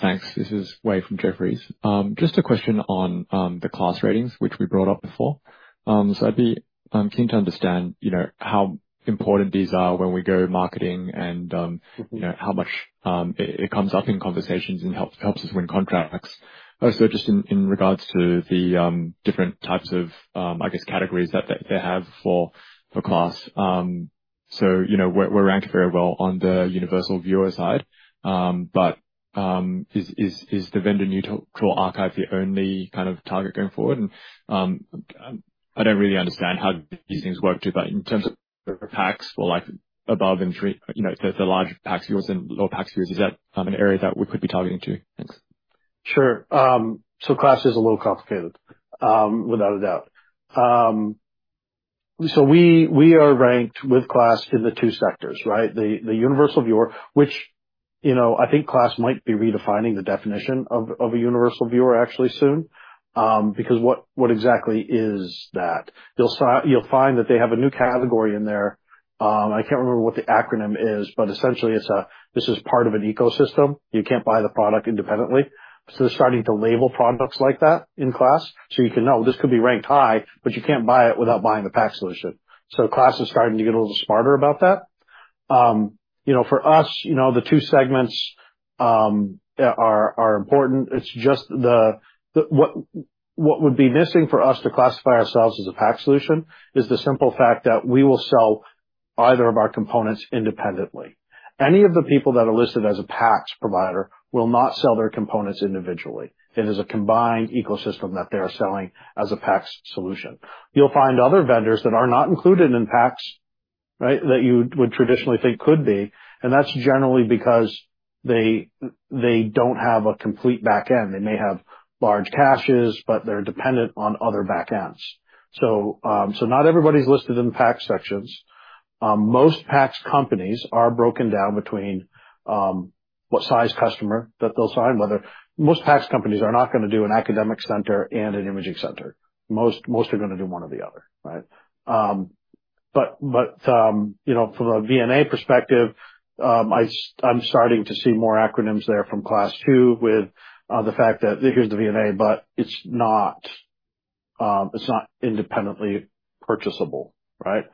Thanks. This is Wei from Jefferies. Just a question on the KLAS ratings, which we brought up before. So I'd be keen to understand, you know, how important these are when we go marketing and Mm-hmm. You know, how much it comes up in conversations and helps us win contracts. Also, just in regards to the different types of, I guess, categories that they have for KLAS. You know, we're ranked very well on the universal viewer side, but is the vendor-neutral archive your only kind of target going forward? I don't really understand how these things work, just like in terms of PACS or like above and three, you know, the large PACS viewers and lower PACS viewers, is that an area that we could be targeting too? Thanks. Sure. So KLAS is a little complicated, without a doubt. So we, we are ranked with KLAS in the two sectors, right? The, the universal viewer, which, you know, I think KLAS might be redefining the definition of, of a universal viewer actually soon. Because what, what exactly is that? You'll find that they have a new category in there. I can't remember what the acronym is, but essentially, it's a, this is part of an ecosystem. You can't buy the product independently. So they're starting to label products like that in KLAS, so you can know this could be ranked high, but you can't buy it without buying the PACS solution. So KLAS is starting to get a little smarter about that. You know, for us, you know, the two segments, are, are important. It's just the, the... What would be missing for us to classify ourselves as a PACS solution is the simple fact that we will sell either of our components independently. Any of the people that are listed as a PACS provider will not sell their components individually. It is a combined ecosystem that they are selling as a PACS solution. You'll find other vendors that are not included in PACS, right? That you would traditionally think could be, and that's generally because they don't have a complete back end. They may have large caches, but they're dependent on other back ends. So, so not everybody's listed in the PACS sections. Most PACS companies are broken down between what size customer that they'll sign. Most PACS companies are not gonna do an academic center and an imaging center. Most are gonna do one or the other, right? But, you know, from a VNA perspective, I'm starting to see more acronyms there from KLAS too with the fact that here's the VNA, but it's not, it's not independently purchasable, right?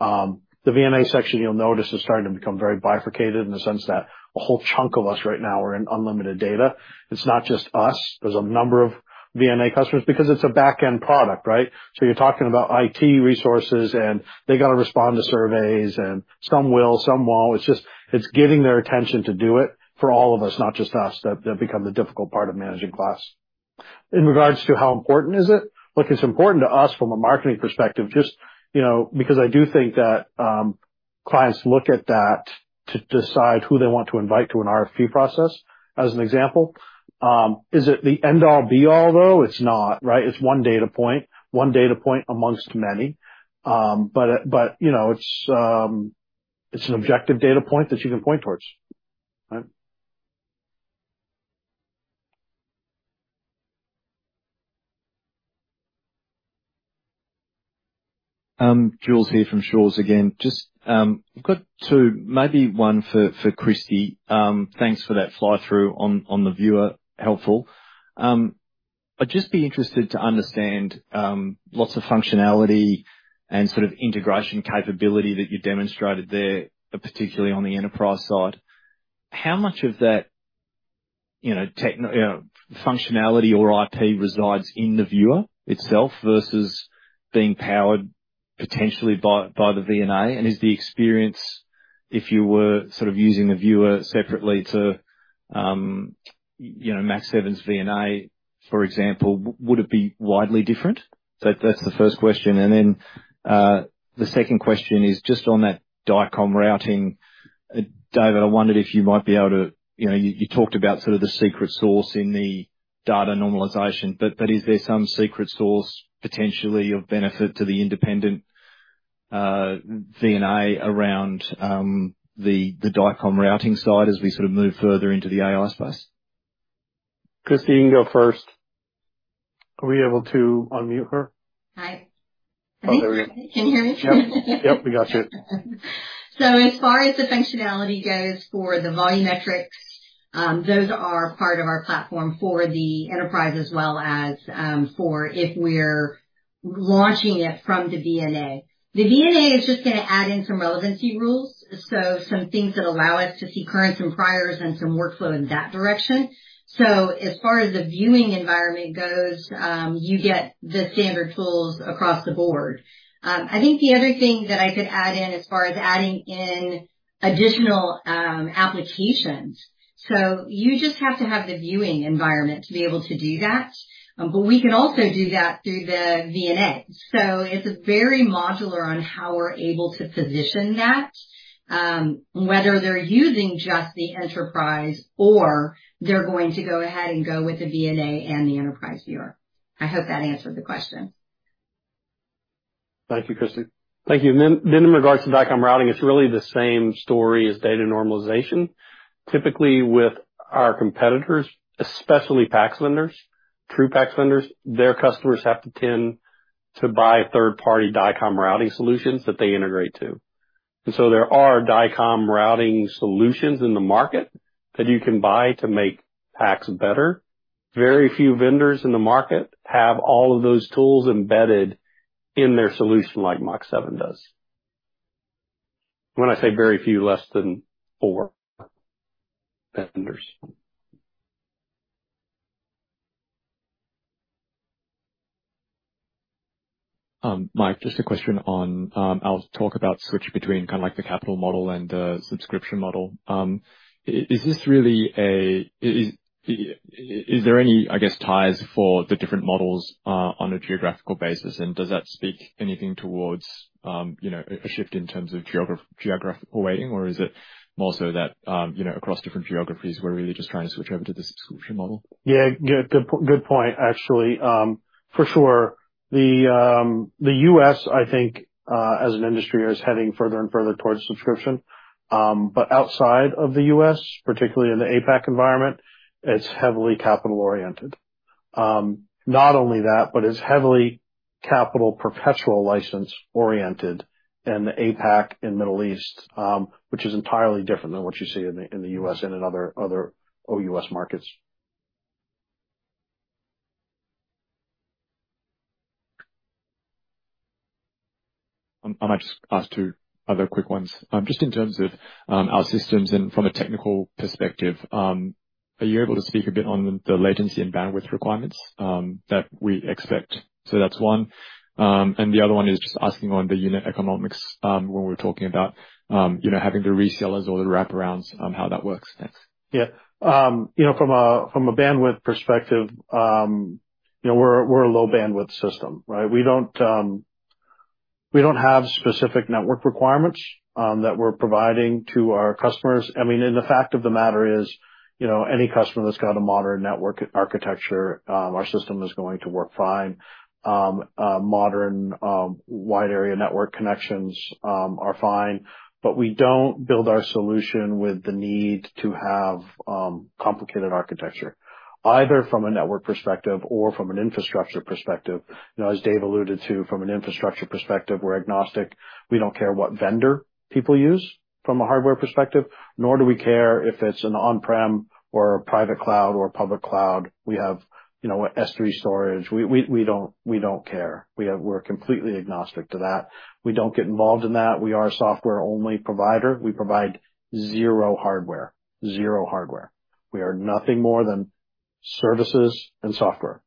The VNA section, you'll notice, is starting to become very bifurcated in the sense that a whole chunk of us right now are in unlimited data. It's not just us. There's a number of VNA customers, because it's a back-end product, right? So you're talking about IT resources, and they've got to respond to surveys, and some will, some won't. It's just, it's getting their attention to do it for all of us, not just us, that, that become the difficult part of managing KLAS. In regards to how important is it? Look, it's important to us from a marketing perspective, just, you know, because I do think that, clients look at that to decide who they want to invite to an RFP process, as an example. Is it the end all be all, though? It's not, right. It's one data point, one data point among many. But it, but, you know, it's, it's an objective data point that you can point towards, right? Jules here from Shaw and Partners again. Just, I've got two, maybe one for Kristi. Thanks for that fly-through on the viewer. Helpful. I'd just be interested to understand, lots of functionality and sort of integration capability that you demonstrated there, particularly on the enterprise side. How much of that, you know, functionality or IT resides in the viewer itself versus being powered potentially by the VNA? Is the experience, if you were sort of using the viewer separately to, you know, Mach7's VNA, for example, would it be widely different? That's the first question. The second question is just on that DICOM routing. David, I wondered if you might be able to... You know, you talked about sort of the secret sauce in the data normalization, but is there some secret sauce potentially of benefit to the independent VNA around the DICOM routing side as we sort of move further into the AI space? Kristi, you can go first. Are we able to unmute her? Hi. Oh, there we go. Can you hear me? Yep. Yep, we got you. So as far as the functionality goes for the volumetrics, those are part of our platform for the enterprise as well as for if we're launching it from the VNA. The VNA is just gonna add in some relevancy rules, so some things that allow us to see currents and priors and some workflow in that direction. So as far as the viewing environment goes, you get the standard tools across the board. I think the other thing that I could add in, as far as adding in additional applications, so you just have to have the viewing environment to be able to do that. But we can also do that through the VNA. So it's very modular on how we're able to position that, whether they're using just the enterprise or they're going to go ahead and go with the VNA and the enterprise viewer. I hope that answered the question. Thank you, Kristi. Thank you. And then, then in regards to DICOM routing, it's really the same story as data normalization. Typically with our competitors, especially PACS vendors, through PACS vendors, their customers have to tend to buy third-party DICOM routing solutions that they integrate to. And so there are DICOM routing solutions in the market that you can buy to make PACS better. Very few vendors in the market have all of those tools embedded in their solution like Mach7 does. When I say very few, less than four vendors. Mike, just a question on the switch between kind of like the capital model and the subscription model. Is there any, I guess, ties for the different models on a geographical basis? And does that speak anything towards, you know, a shift in terms of geographical weighting? Or is it more so that, you know, across different geographies, we're really just trying to switch over to the subscription model? Yeah, yeah, good point, actually. For sure, the U.S., I think, as an industry, is heading further and further towards subscription. But outside of the U.S., particularly in the APAC environment, it's heavily capital-oriented. Not only that, but it's heavily capital perpetual license-oriented in the APAC and Middle East, which is entirely different than what you see in the U.S. and in other OUS markets. And I'll just ask two other quick ones. Just in terms of our systems and from a technical perspective, are you able to speak a bit on the latency and bandwidth requirements that we expect? So that's one. And the other one is just asking on the unit economics, when we're talking about, you know, having the resellers or the wraparounds, how that works. Thanks. Yeah. You know, from a bandwidth perspective, you know, we're a low bandwidth system, right? We don't have specific network requirements that we're providing to our customers. I mean, the fact of the matter is, you know, any customer that's got a modern network architecture, our system is going to work fine. Modern wide area network connections are fine, but we don't build our solution with the need to have complicated architecture, either from a network perspective or from an infrastructure perspective. You know, as Dave alluded to, from an infrastructure perspective, we're agnostic. We don't care what vendor people use from a hardware perspective, nor do we care if it's an on-prem or a private cloud or a public cloud. We have S3 storage. We don't care. We're completely agnostic to that. We don't get involved in that. We are a software-only provider. We provide zero hardware. Zero hardware. We are nothing more than services and software.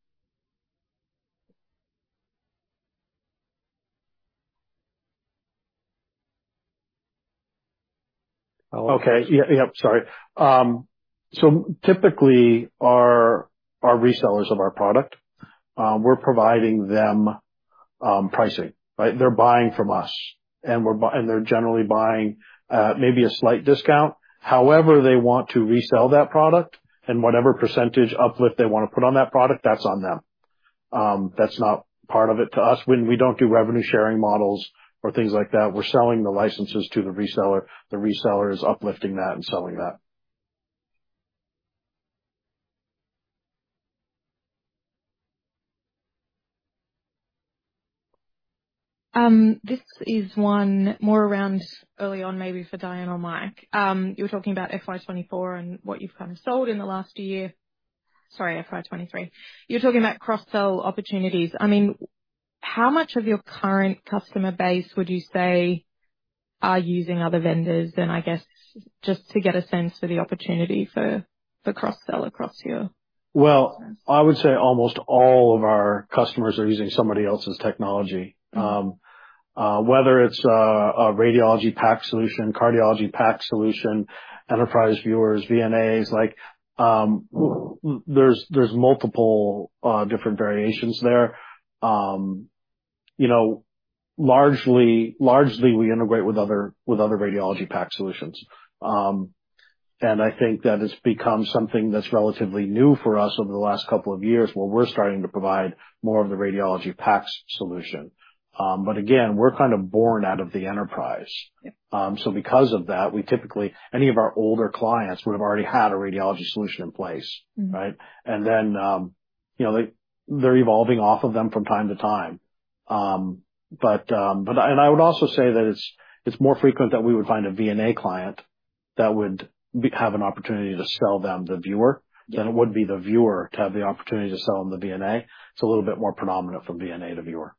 Okay. Yeah, yep, sorry. So typically our resellers of our product, we're providing them pricing, right? They're buying from us, and they're generally buying maybe a slight discount. However they want to resell that product and whatever percentage uplift they want to put on that product, that's on them. That's not part of it to us. When we don't do revenue sharing models or things like that, we're selling the licenses to the reseller. The reseller is uplifting that and selling that. This is one more around early on, maybe for Dyan or Mike. You were talking about FY 2024 and what you've kind of sold in the last year. Sorry, FY 2023. You were talking about cross-sell opportunities. I mean, how much of your current customer base would you say are using other vendors? Then, I guess, just to get a sense for the opportunity for the cross-sell across you. Well, I would say almost all of our customers are using somebody else's technology. Whether it's a radiology PACS solution, cardiology PACS solution, enterprise viewers, VNAs, like, there's multiple different variations there. You know, largely we integrate with other radiology PACS solutions. I think that has become something that's relatively new for us over the last couple of years, where we're starting to provide more of the radiology PACS solution. Again, we're kind of born out of the enterprise. Yeah. So because of that, we typically, any of our older clients would have already had a radiology solution in place. Mm-hmm. Right? And then, you know, they, they're evolving off of them from time to time. But, but I... And I would also say that it's, it's more frequent that we would find a VNA client that would have an opportunity to sell them the viewer- Yeah. -than it would be the viewer to have the opportunity to sell them the VNA. It's a little bit more predominant from VNA to viewer.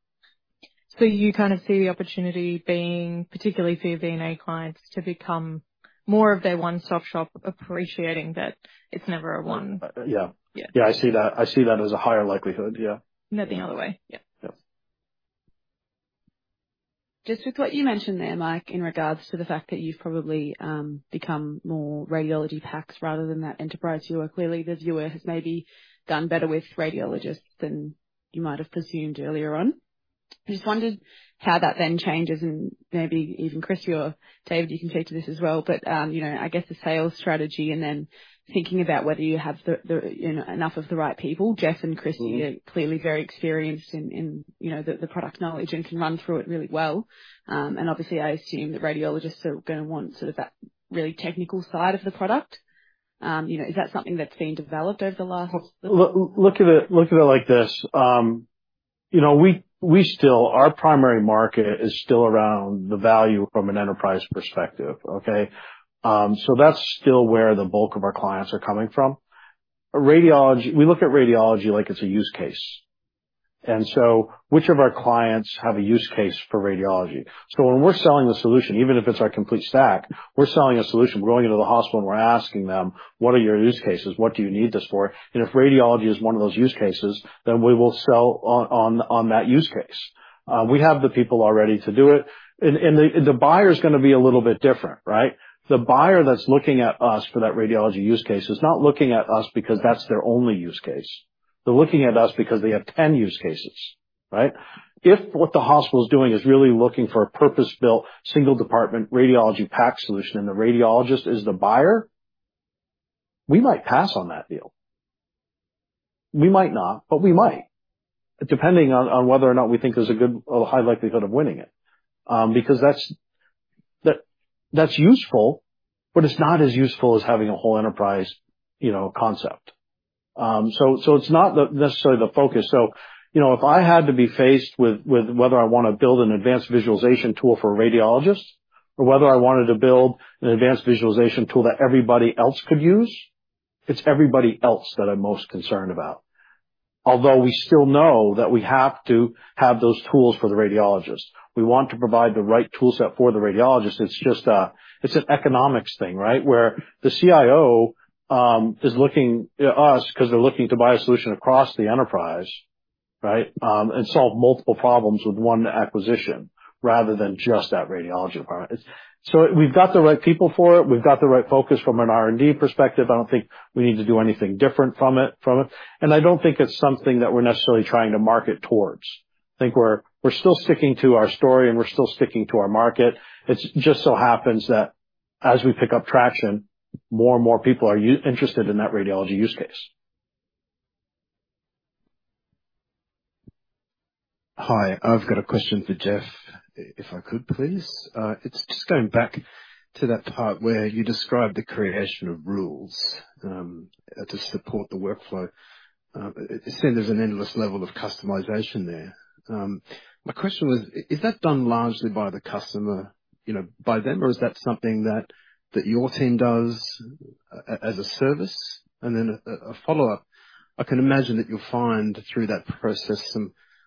You kind of see the opportunity being, particularly for your VNA clients, to become more of their one-stop-shop, appreciating that it's never a one? Yeah. Yeah. Yeah, I see that. I see that as a higher likelihood, yeah. Then the other way. Yeah. Yeah. Just with what you mentioned there, Mike, in regards to the fact that you've probably become more radiology PACS rather than that enterprise viewer. Clearly, the viewer has maybe done better with radiologists than you might have presumed earlier on. I just wondered how that then changes, and maybe even Kristi or Dave, you can speak to this as well, you know, I guess the sales strategy and then thinking about whether you have the, you know, enough of the right people. Jef and Kristi are clearly very experienced in, you know, the product knowledge and can run through it really well. I assume that radiologists are gonna want sort of that really technical side of the product. You know, is that something that's been developed over the last...? Look at it like this: You know, we still... Our primary market is still around the value from an enterprise perspective, okay? So that's still where the bulk of our clients are coming from. Radiology, we look at radiology like it's a use case, and so which of our clients have a use case for radiology? So when we're selling the solution, even if it's our complete stack, we're selling a solution. We're going into the hospital, and we're asking them: What are your use cases? What do you need this for? And if radiology is one of those use cases, then we will sell on that use case. We have the people already to do it, and the buyer is gonna be a little bit different, right? The buyer that's looking at us for that radiology use case is not looking at us because that's their only use case. They're looking at us because they have 10 use cases, right? If what the hospital is doing is really looking for a purpose-built, single department, radiology PACS solution, and the radiologist is the buyer, we might pass on that deal. We might not, but we might, depending on whether or not we think there's a good or a high likelihood of winning it. Because that's useful, but it's not as useful as having a whole enterprise, you know, concept. So it's not necessarily the focus. You know, if I had to be faced with whether I want to build an advanced visualization tool for radiologists, or whether I wanted to build an advanced visualization tool that everybody else could use, it's everybody else that I'm most concerned about... Although we still know that we have to have those tools for the radiologists. We want to provide the right tool set for the radiologists. It's just a, it's an economics thing, right? Where the CIO is looking at us because they're looking to buy a solution across the enterprise, right? And solve multiple problems with one acquisition rather than just that radiology part. We've got the right people for it. We've got the right focus from an R&D perspective. I don't think we need to do anything different from it, from it. I don't think it's something that we're necessarily trying to market towards. I think we're still sticking to our story, and we're still sticking to our market. It just so happens that as we pick up traction, more and more people are interested in that radiology use case. Hi, I've got a question for Jeff, if I could, please. It's just going back to that part where you described the creation of rules to support the workflow. It said there's an endless level of customization there. My question was, is that done largely by the customer, you know, by them, or is that something that your team does as a service? And then a follow-up, I can imagine that you'll find through that process,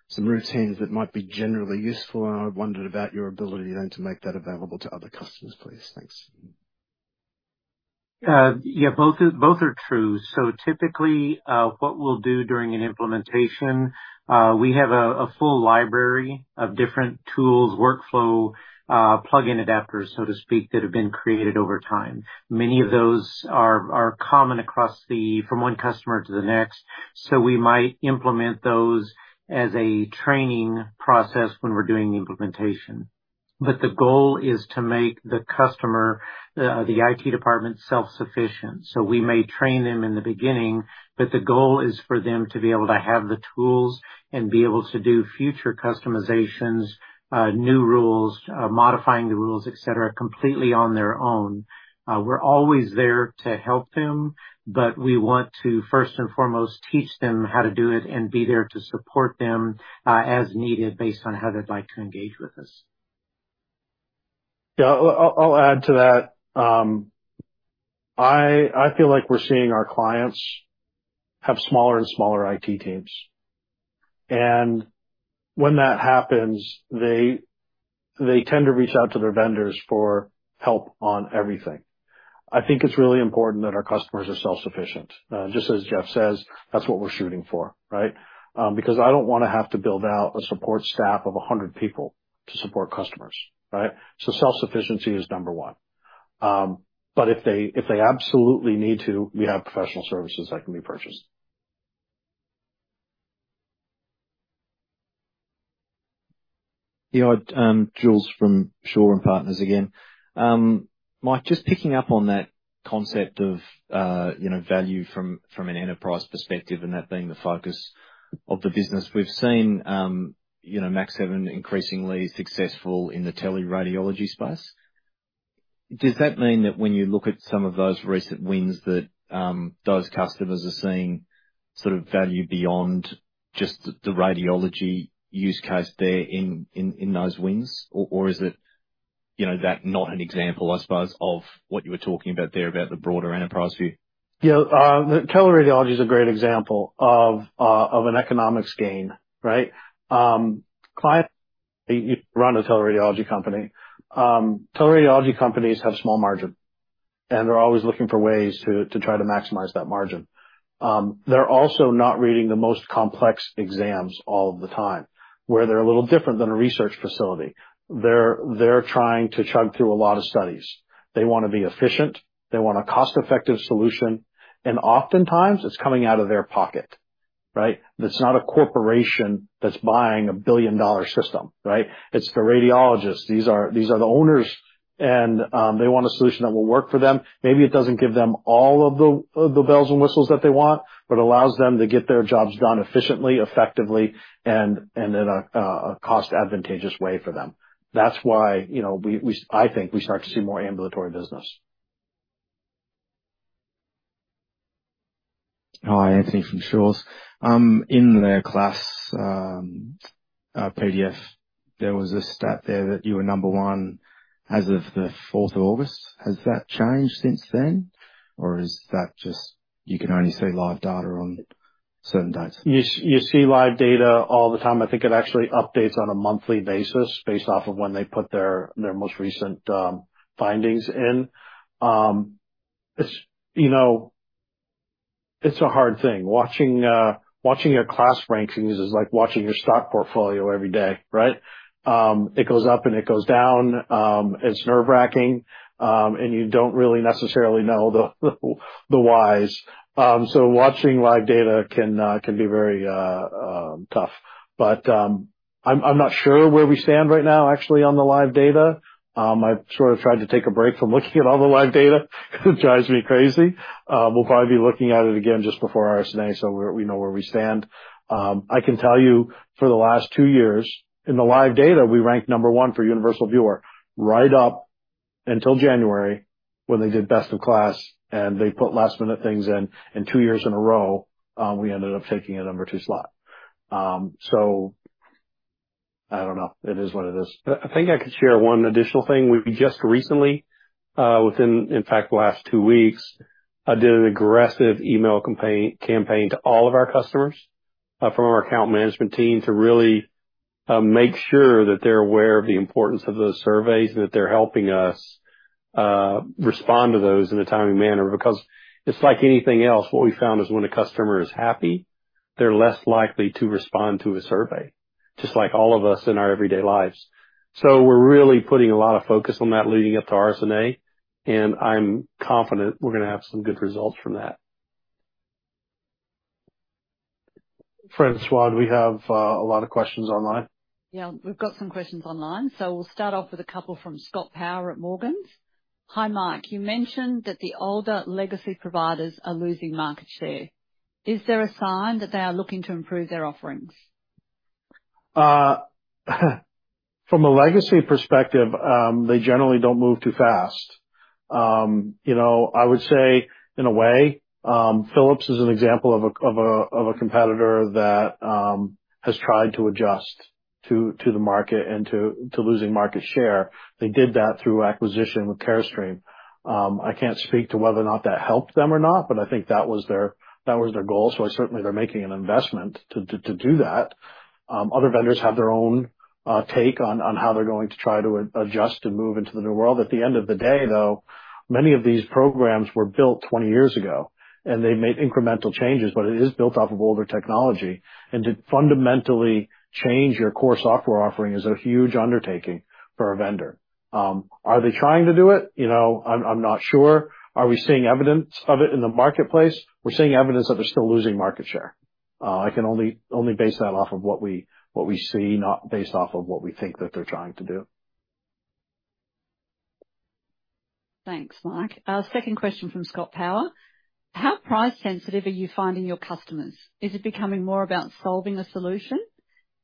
some routines that might be generally useful. And I wondered about your ability then to make that available to other customers, please. Thanks. Yeah, both are, both are true. So typically, what we'll do during an implementation, we have a full library of different tools, workflow plugin adapters, so to speak, that have been created over time. Many of those are common across from one customer to the next. So we might implement those as a training process when we're doing the implementation. But the goal is to make the customer, the IT department, self-sufficient. So we may train them in the beginning, but the goal is for them to be able to have the tools and be able to do future customizations, new rules, modifying the rules, et cetera, completely on their own. We're always there to help them, but we want to first and foremost, teach them how to do it and be there to support them, as needed based on how they'd like to engage with us. Yeah, I'll add to that. I feel like we're seeing our clients have smaller and smaller IT teams. When that happens, they tend to reach out to their vendors for help on everything. I think it's really important that our customers are self-sufficient, just as Jeff says, that's what we're shooting for, right? I don't want to have to build out a support staff of 100 people to support customers, right? Self-sufficiency is number one. If they absolutely need to, we have Professional Services that can be purchased. Yeah, Jules from Shaw and Partners again. Mike, just picking up on that concept of, you know, value from, from an enterprise perspective, and that being the focus of the business. We've seen, you know, Mach7 increasingly successful in the teleradiology space. Does that mean that when you look at some of those recent wins, that, those customers are seeing sort of value beyond just the, the radiology use case there in, in, in those wins? Or, or is it, you know, that not an example, I suppose, of what you were talking about there, about the broader enterprise view? Yeah, teleradiology is a great example of an economics gain, right? You run a teleradiology company. Teleradiology companies have small margin, and they're always looking for ways to try to maximize that margin. They're also not reading the most complex exams all of the time, where they're a little different than a research facility. They're trying to chug through a lot of studies. They want to be efficient, they want a cost-effective solution, and oftentimes it's coming out of their pocket, right? That's not a corporation that's buying a billion-dollar system, right? It's the radiologists. These are the owners, and they want a solution that will work for them. Maybe it doesn't give them all of the bells and whistles that they want, but allows them to get their jobs done efficiently, effectively, and in a cost advantageous way for them. That's why, you know, I think we start to see more ambulatory business. Hi, Anthony from Shaw and Partners. In the KLAS PDF, there was a stat there that you were number one as of the fourth of August. twoas that changed since then, or is that just you can only see live data on certain dates? You see live data all the time. I think it actually updates on a monthly basis, based off of when they put their most recent findings in. It's, you know... It's a hard thing. Watching your class rankings is like watching your stock portfolio every day, right? It goes up, and it goes down. It's nerve-wracking, and you don't really necessarily know the whys. So watching live data can be very tough. But, I'm not sure where we stand right now, actually, on the live data. I've sort of tried to take a break from looking at all the live data because it drives me crazy. We'll probably be looking at it again just before RSNA, so we know where we stand. I can tell you for the last twoyears, in the live data, we ranked number one for universal viewer, right up until January, when they did best in class, and they put last-minute things in, and two years in a row, we ended up taking a number two slot. I don't know. It is what it is. I think I could share one additional thing. We just recently, within, in fact, the last two weeks, I did an aggressive email campaign to all of our customers, from our account management team, to really make sure that they're aware of the importance of those surveys, and that they're helping us respond to those in a timely manner. Because it's like anything else, what we found is when a customer is happy, they're less likely to respond to a survey, just like all of us in our everyday lives. So we're really putting a lot of focus on that leading up to RSNA, and I'm confident we're gonna have some good results from that. Françoise, do we have a lot of questions online? Yeah, we've got some questions online, so we'll start off with a couple from Scott Power at Morgans. Hi, Mike. You mentioned that the older legacy providers are losing market share. Is there a sign that they are looking to improve their offerings? From a legacy perspective, they generally don't move too fast. You know, I would say, in a way, Philips is an example of a competitor that has tried to adjust to the market and to losing market share. They did that through acquisition with Carestream. I can't speak to whether or not that helped them or not, but I think that was their, that was their goal, so certainly they're making an investment to do that. Other vendors have their own take on how they're going to try to adjust and move into the new world. At the end of the day, though, many of these programs were built 20 years ago, and they've made incremental changes, but it is built off of older technology. To fundamentally change your core software offering is a huge undertaking for a vendor. Are they trying to do it? You know, I'm not sure. Are we seeing evidence of it in the marketplace? We're seeing evidence that they're still losing market share. I can only base that off of what we see, not based off of what we think that they're trying to do. Thanks, Mike. Our second question from Scott Power: How price sensitive are you finding your customers? Is it becoming more about solving a solution?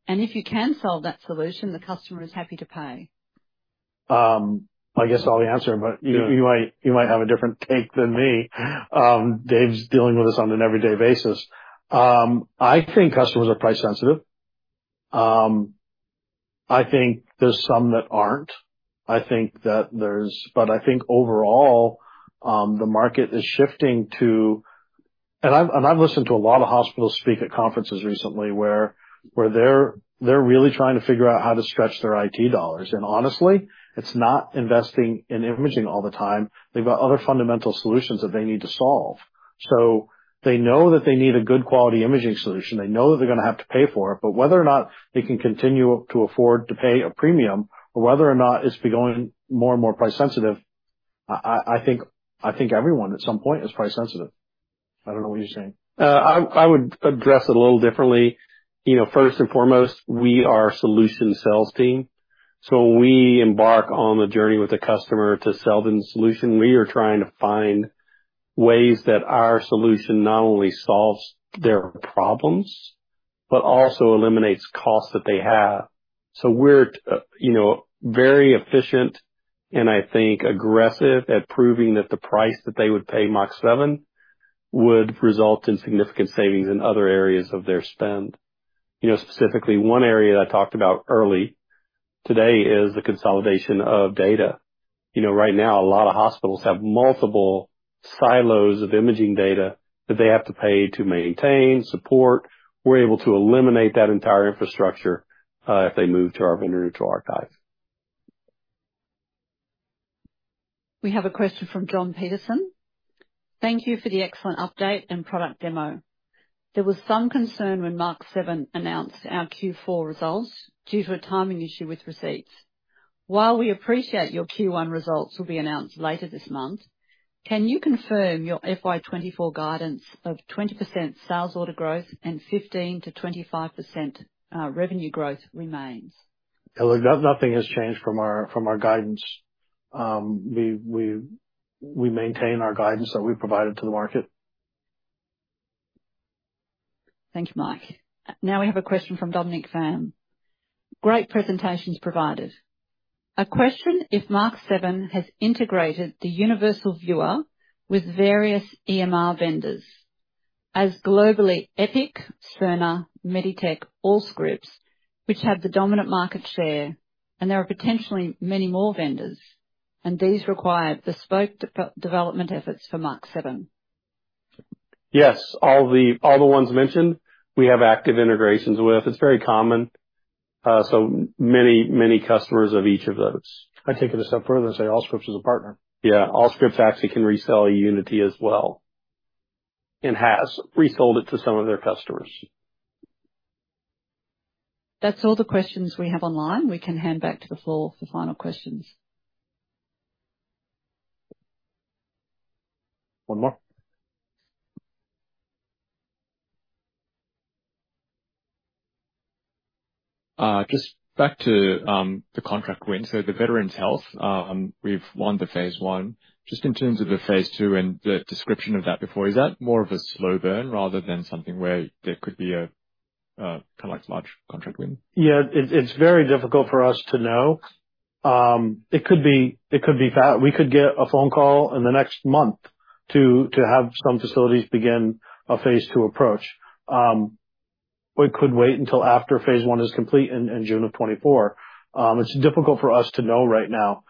And if you can solve that solution, the customer is happy to pay. I guess I'll answer, but you might have a different take than me. Dave's dealing with us on an every day basis. I think customers are price sensitive. I think there's some that aren't. I think that there's... But I think overall, the market is shifting to... And I've listened to a lot of hospitals speak at conferences recently, where they're really trying to figure out how to stretch their IT dollars. And honestly, it's not investing in imaging all the time. They've got other fundamental solutions that they need to solve. So they know that they need a good quality imaging solution. They know that they're gonna have to pay for it, but whether or not they can continue to afford to pay a premium or whether or not it's becoming more and more price sensitive, I think everyone at some point is price sensitive. I don't know what you're saying. I would address it a little differently. You know, first and foremost, we are a solution sales team, so we embark on the journey with the customer to sell the solution. We are trying to find ways that our solution not only solves their problems, but also eliminates costs that they have. So we're, you know, very efficient and I think aggressive at proving that the price that they would pay Mach7 would result in significant savings in other areas of their spend. You know, specifically, one area I talked about early today is the consolidation of data. You know, right now, a lot of hospitals have multiple silos of imaging data that they have to pay to maintain, support. We're able to eliminate that entire infrastructure, if they move to our vendor neutral archive. We have a question from John Peterson: Thank you for the excellent update and product demo. There was some concern when Mach7 announced our Q4 results due to a timing issue with receipts. While we appreciate your Q1 results will be announced later this month, can you confirm your FY 2024 guidance of 20% sales order growth and 15%-25% revenue growth remains? Nothing has changed from our guidance. We maintain our guidance that we provided to the market. Thank you, Mike. Now we have a question from Dominic Pham: Great presentations provided. A question if Mach7 has integrated the universal viewer with various EMR vendors, as globally Epic, Cerner, Meditech, Allscripts, which have the dominant market share, and there are potentially many more vendors, and these require bespoke development efforts for Mach7. Yes. All the, all the ones mentioned, we have active integrations with. It's very common. So many, many customers of each of those. I'd take it a step further and say Allscripts is a partner. Yeah. Allscripts actually can resell eUnity as well, and has resold it to some of their customers. That's all the questions we have online. We can hand back to the floor for final questions. One more? Just back to the contract win. So the Veterans Health, we've won the phase one. Just in terms of the phase two and the description of that before, is that more of a slow burn rather than something where there could be a kind of like large contract win? Yeah. It's very difficult for us to know. It could be. We could get a phone call in the next month to have some facilities begin a phase two approach. We could wait until after phase one is complete in June of 2024. It's difficult for us to know right now.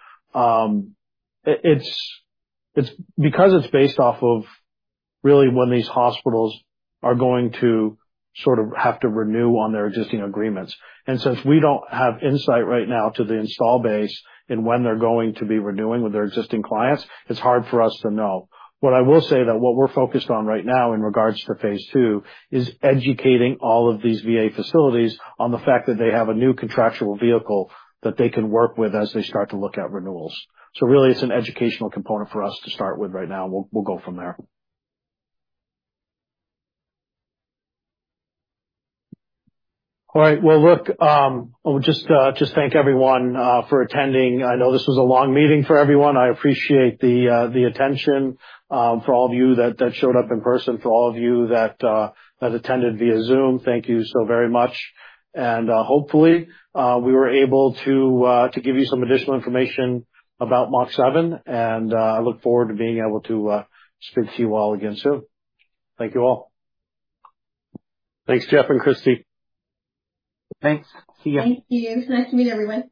It's because it's based off of really when these hospitals are going to sort of have to renew on their existing agreements. Since we don't have insight right now to the install base and when they're going to be renewing with their existing clients, it's hard for us to know. What I will say, that what we're focused on right now in regards to phase two, is educating all of these VA facilities on the fact that they have a new contractual vehicle that they can work with as they start to look at renewals. So really, it's an educational component for us to start with right now. We'll go from there. All right. Well, look, I'll just thank everyone for attending. I know this was a long meeting for everyone. I appreciate the attention for all of you that showed up in person. To all of you that attended via Zoom, thank you so very much. Hopefully, we were able to to give you some additional information about Mach7, and I look forward to being able to speak to you all again soon. Thank you, all. Thanks, Jeff and Kristi. Thanks. See you. Thank you. It's nice to meet everyone.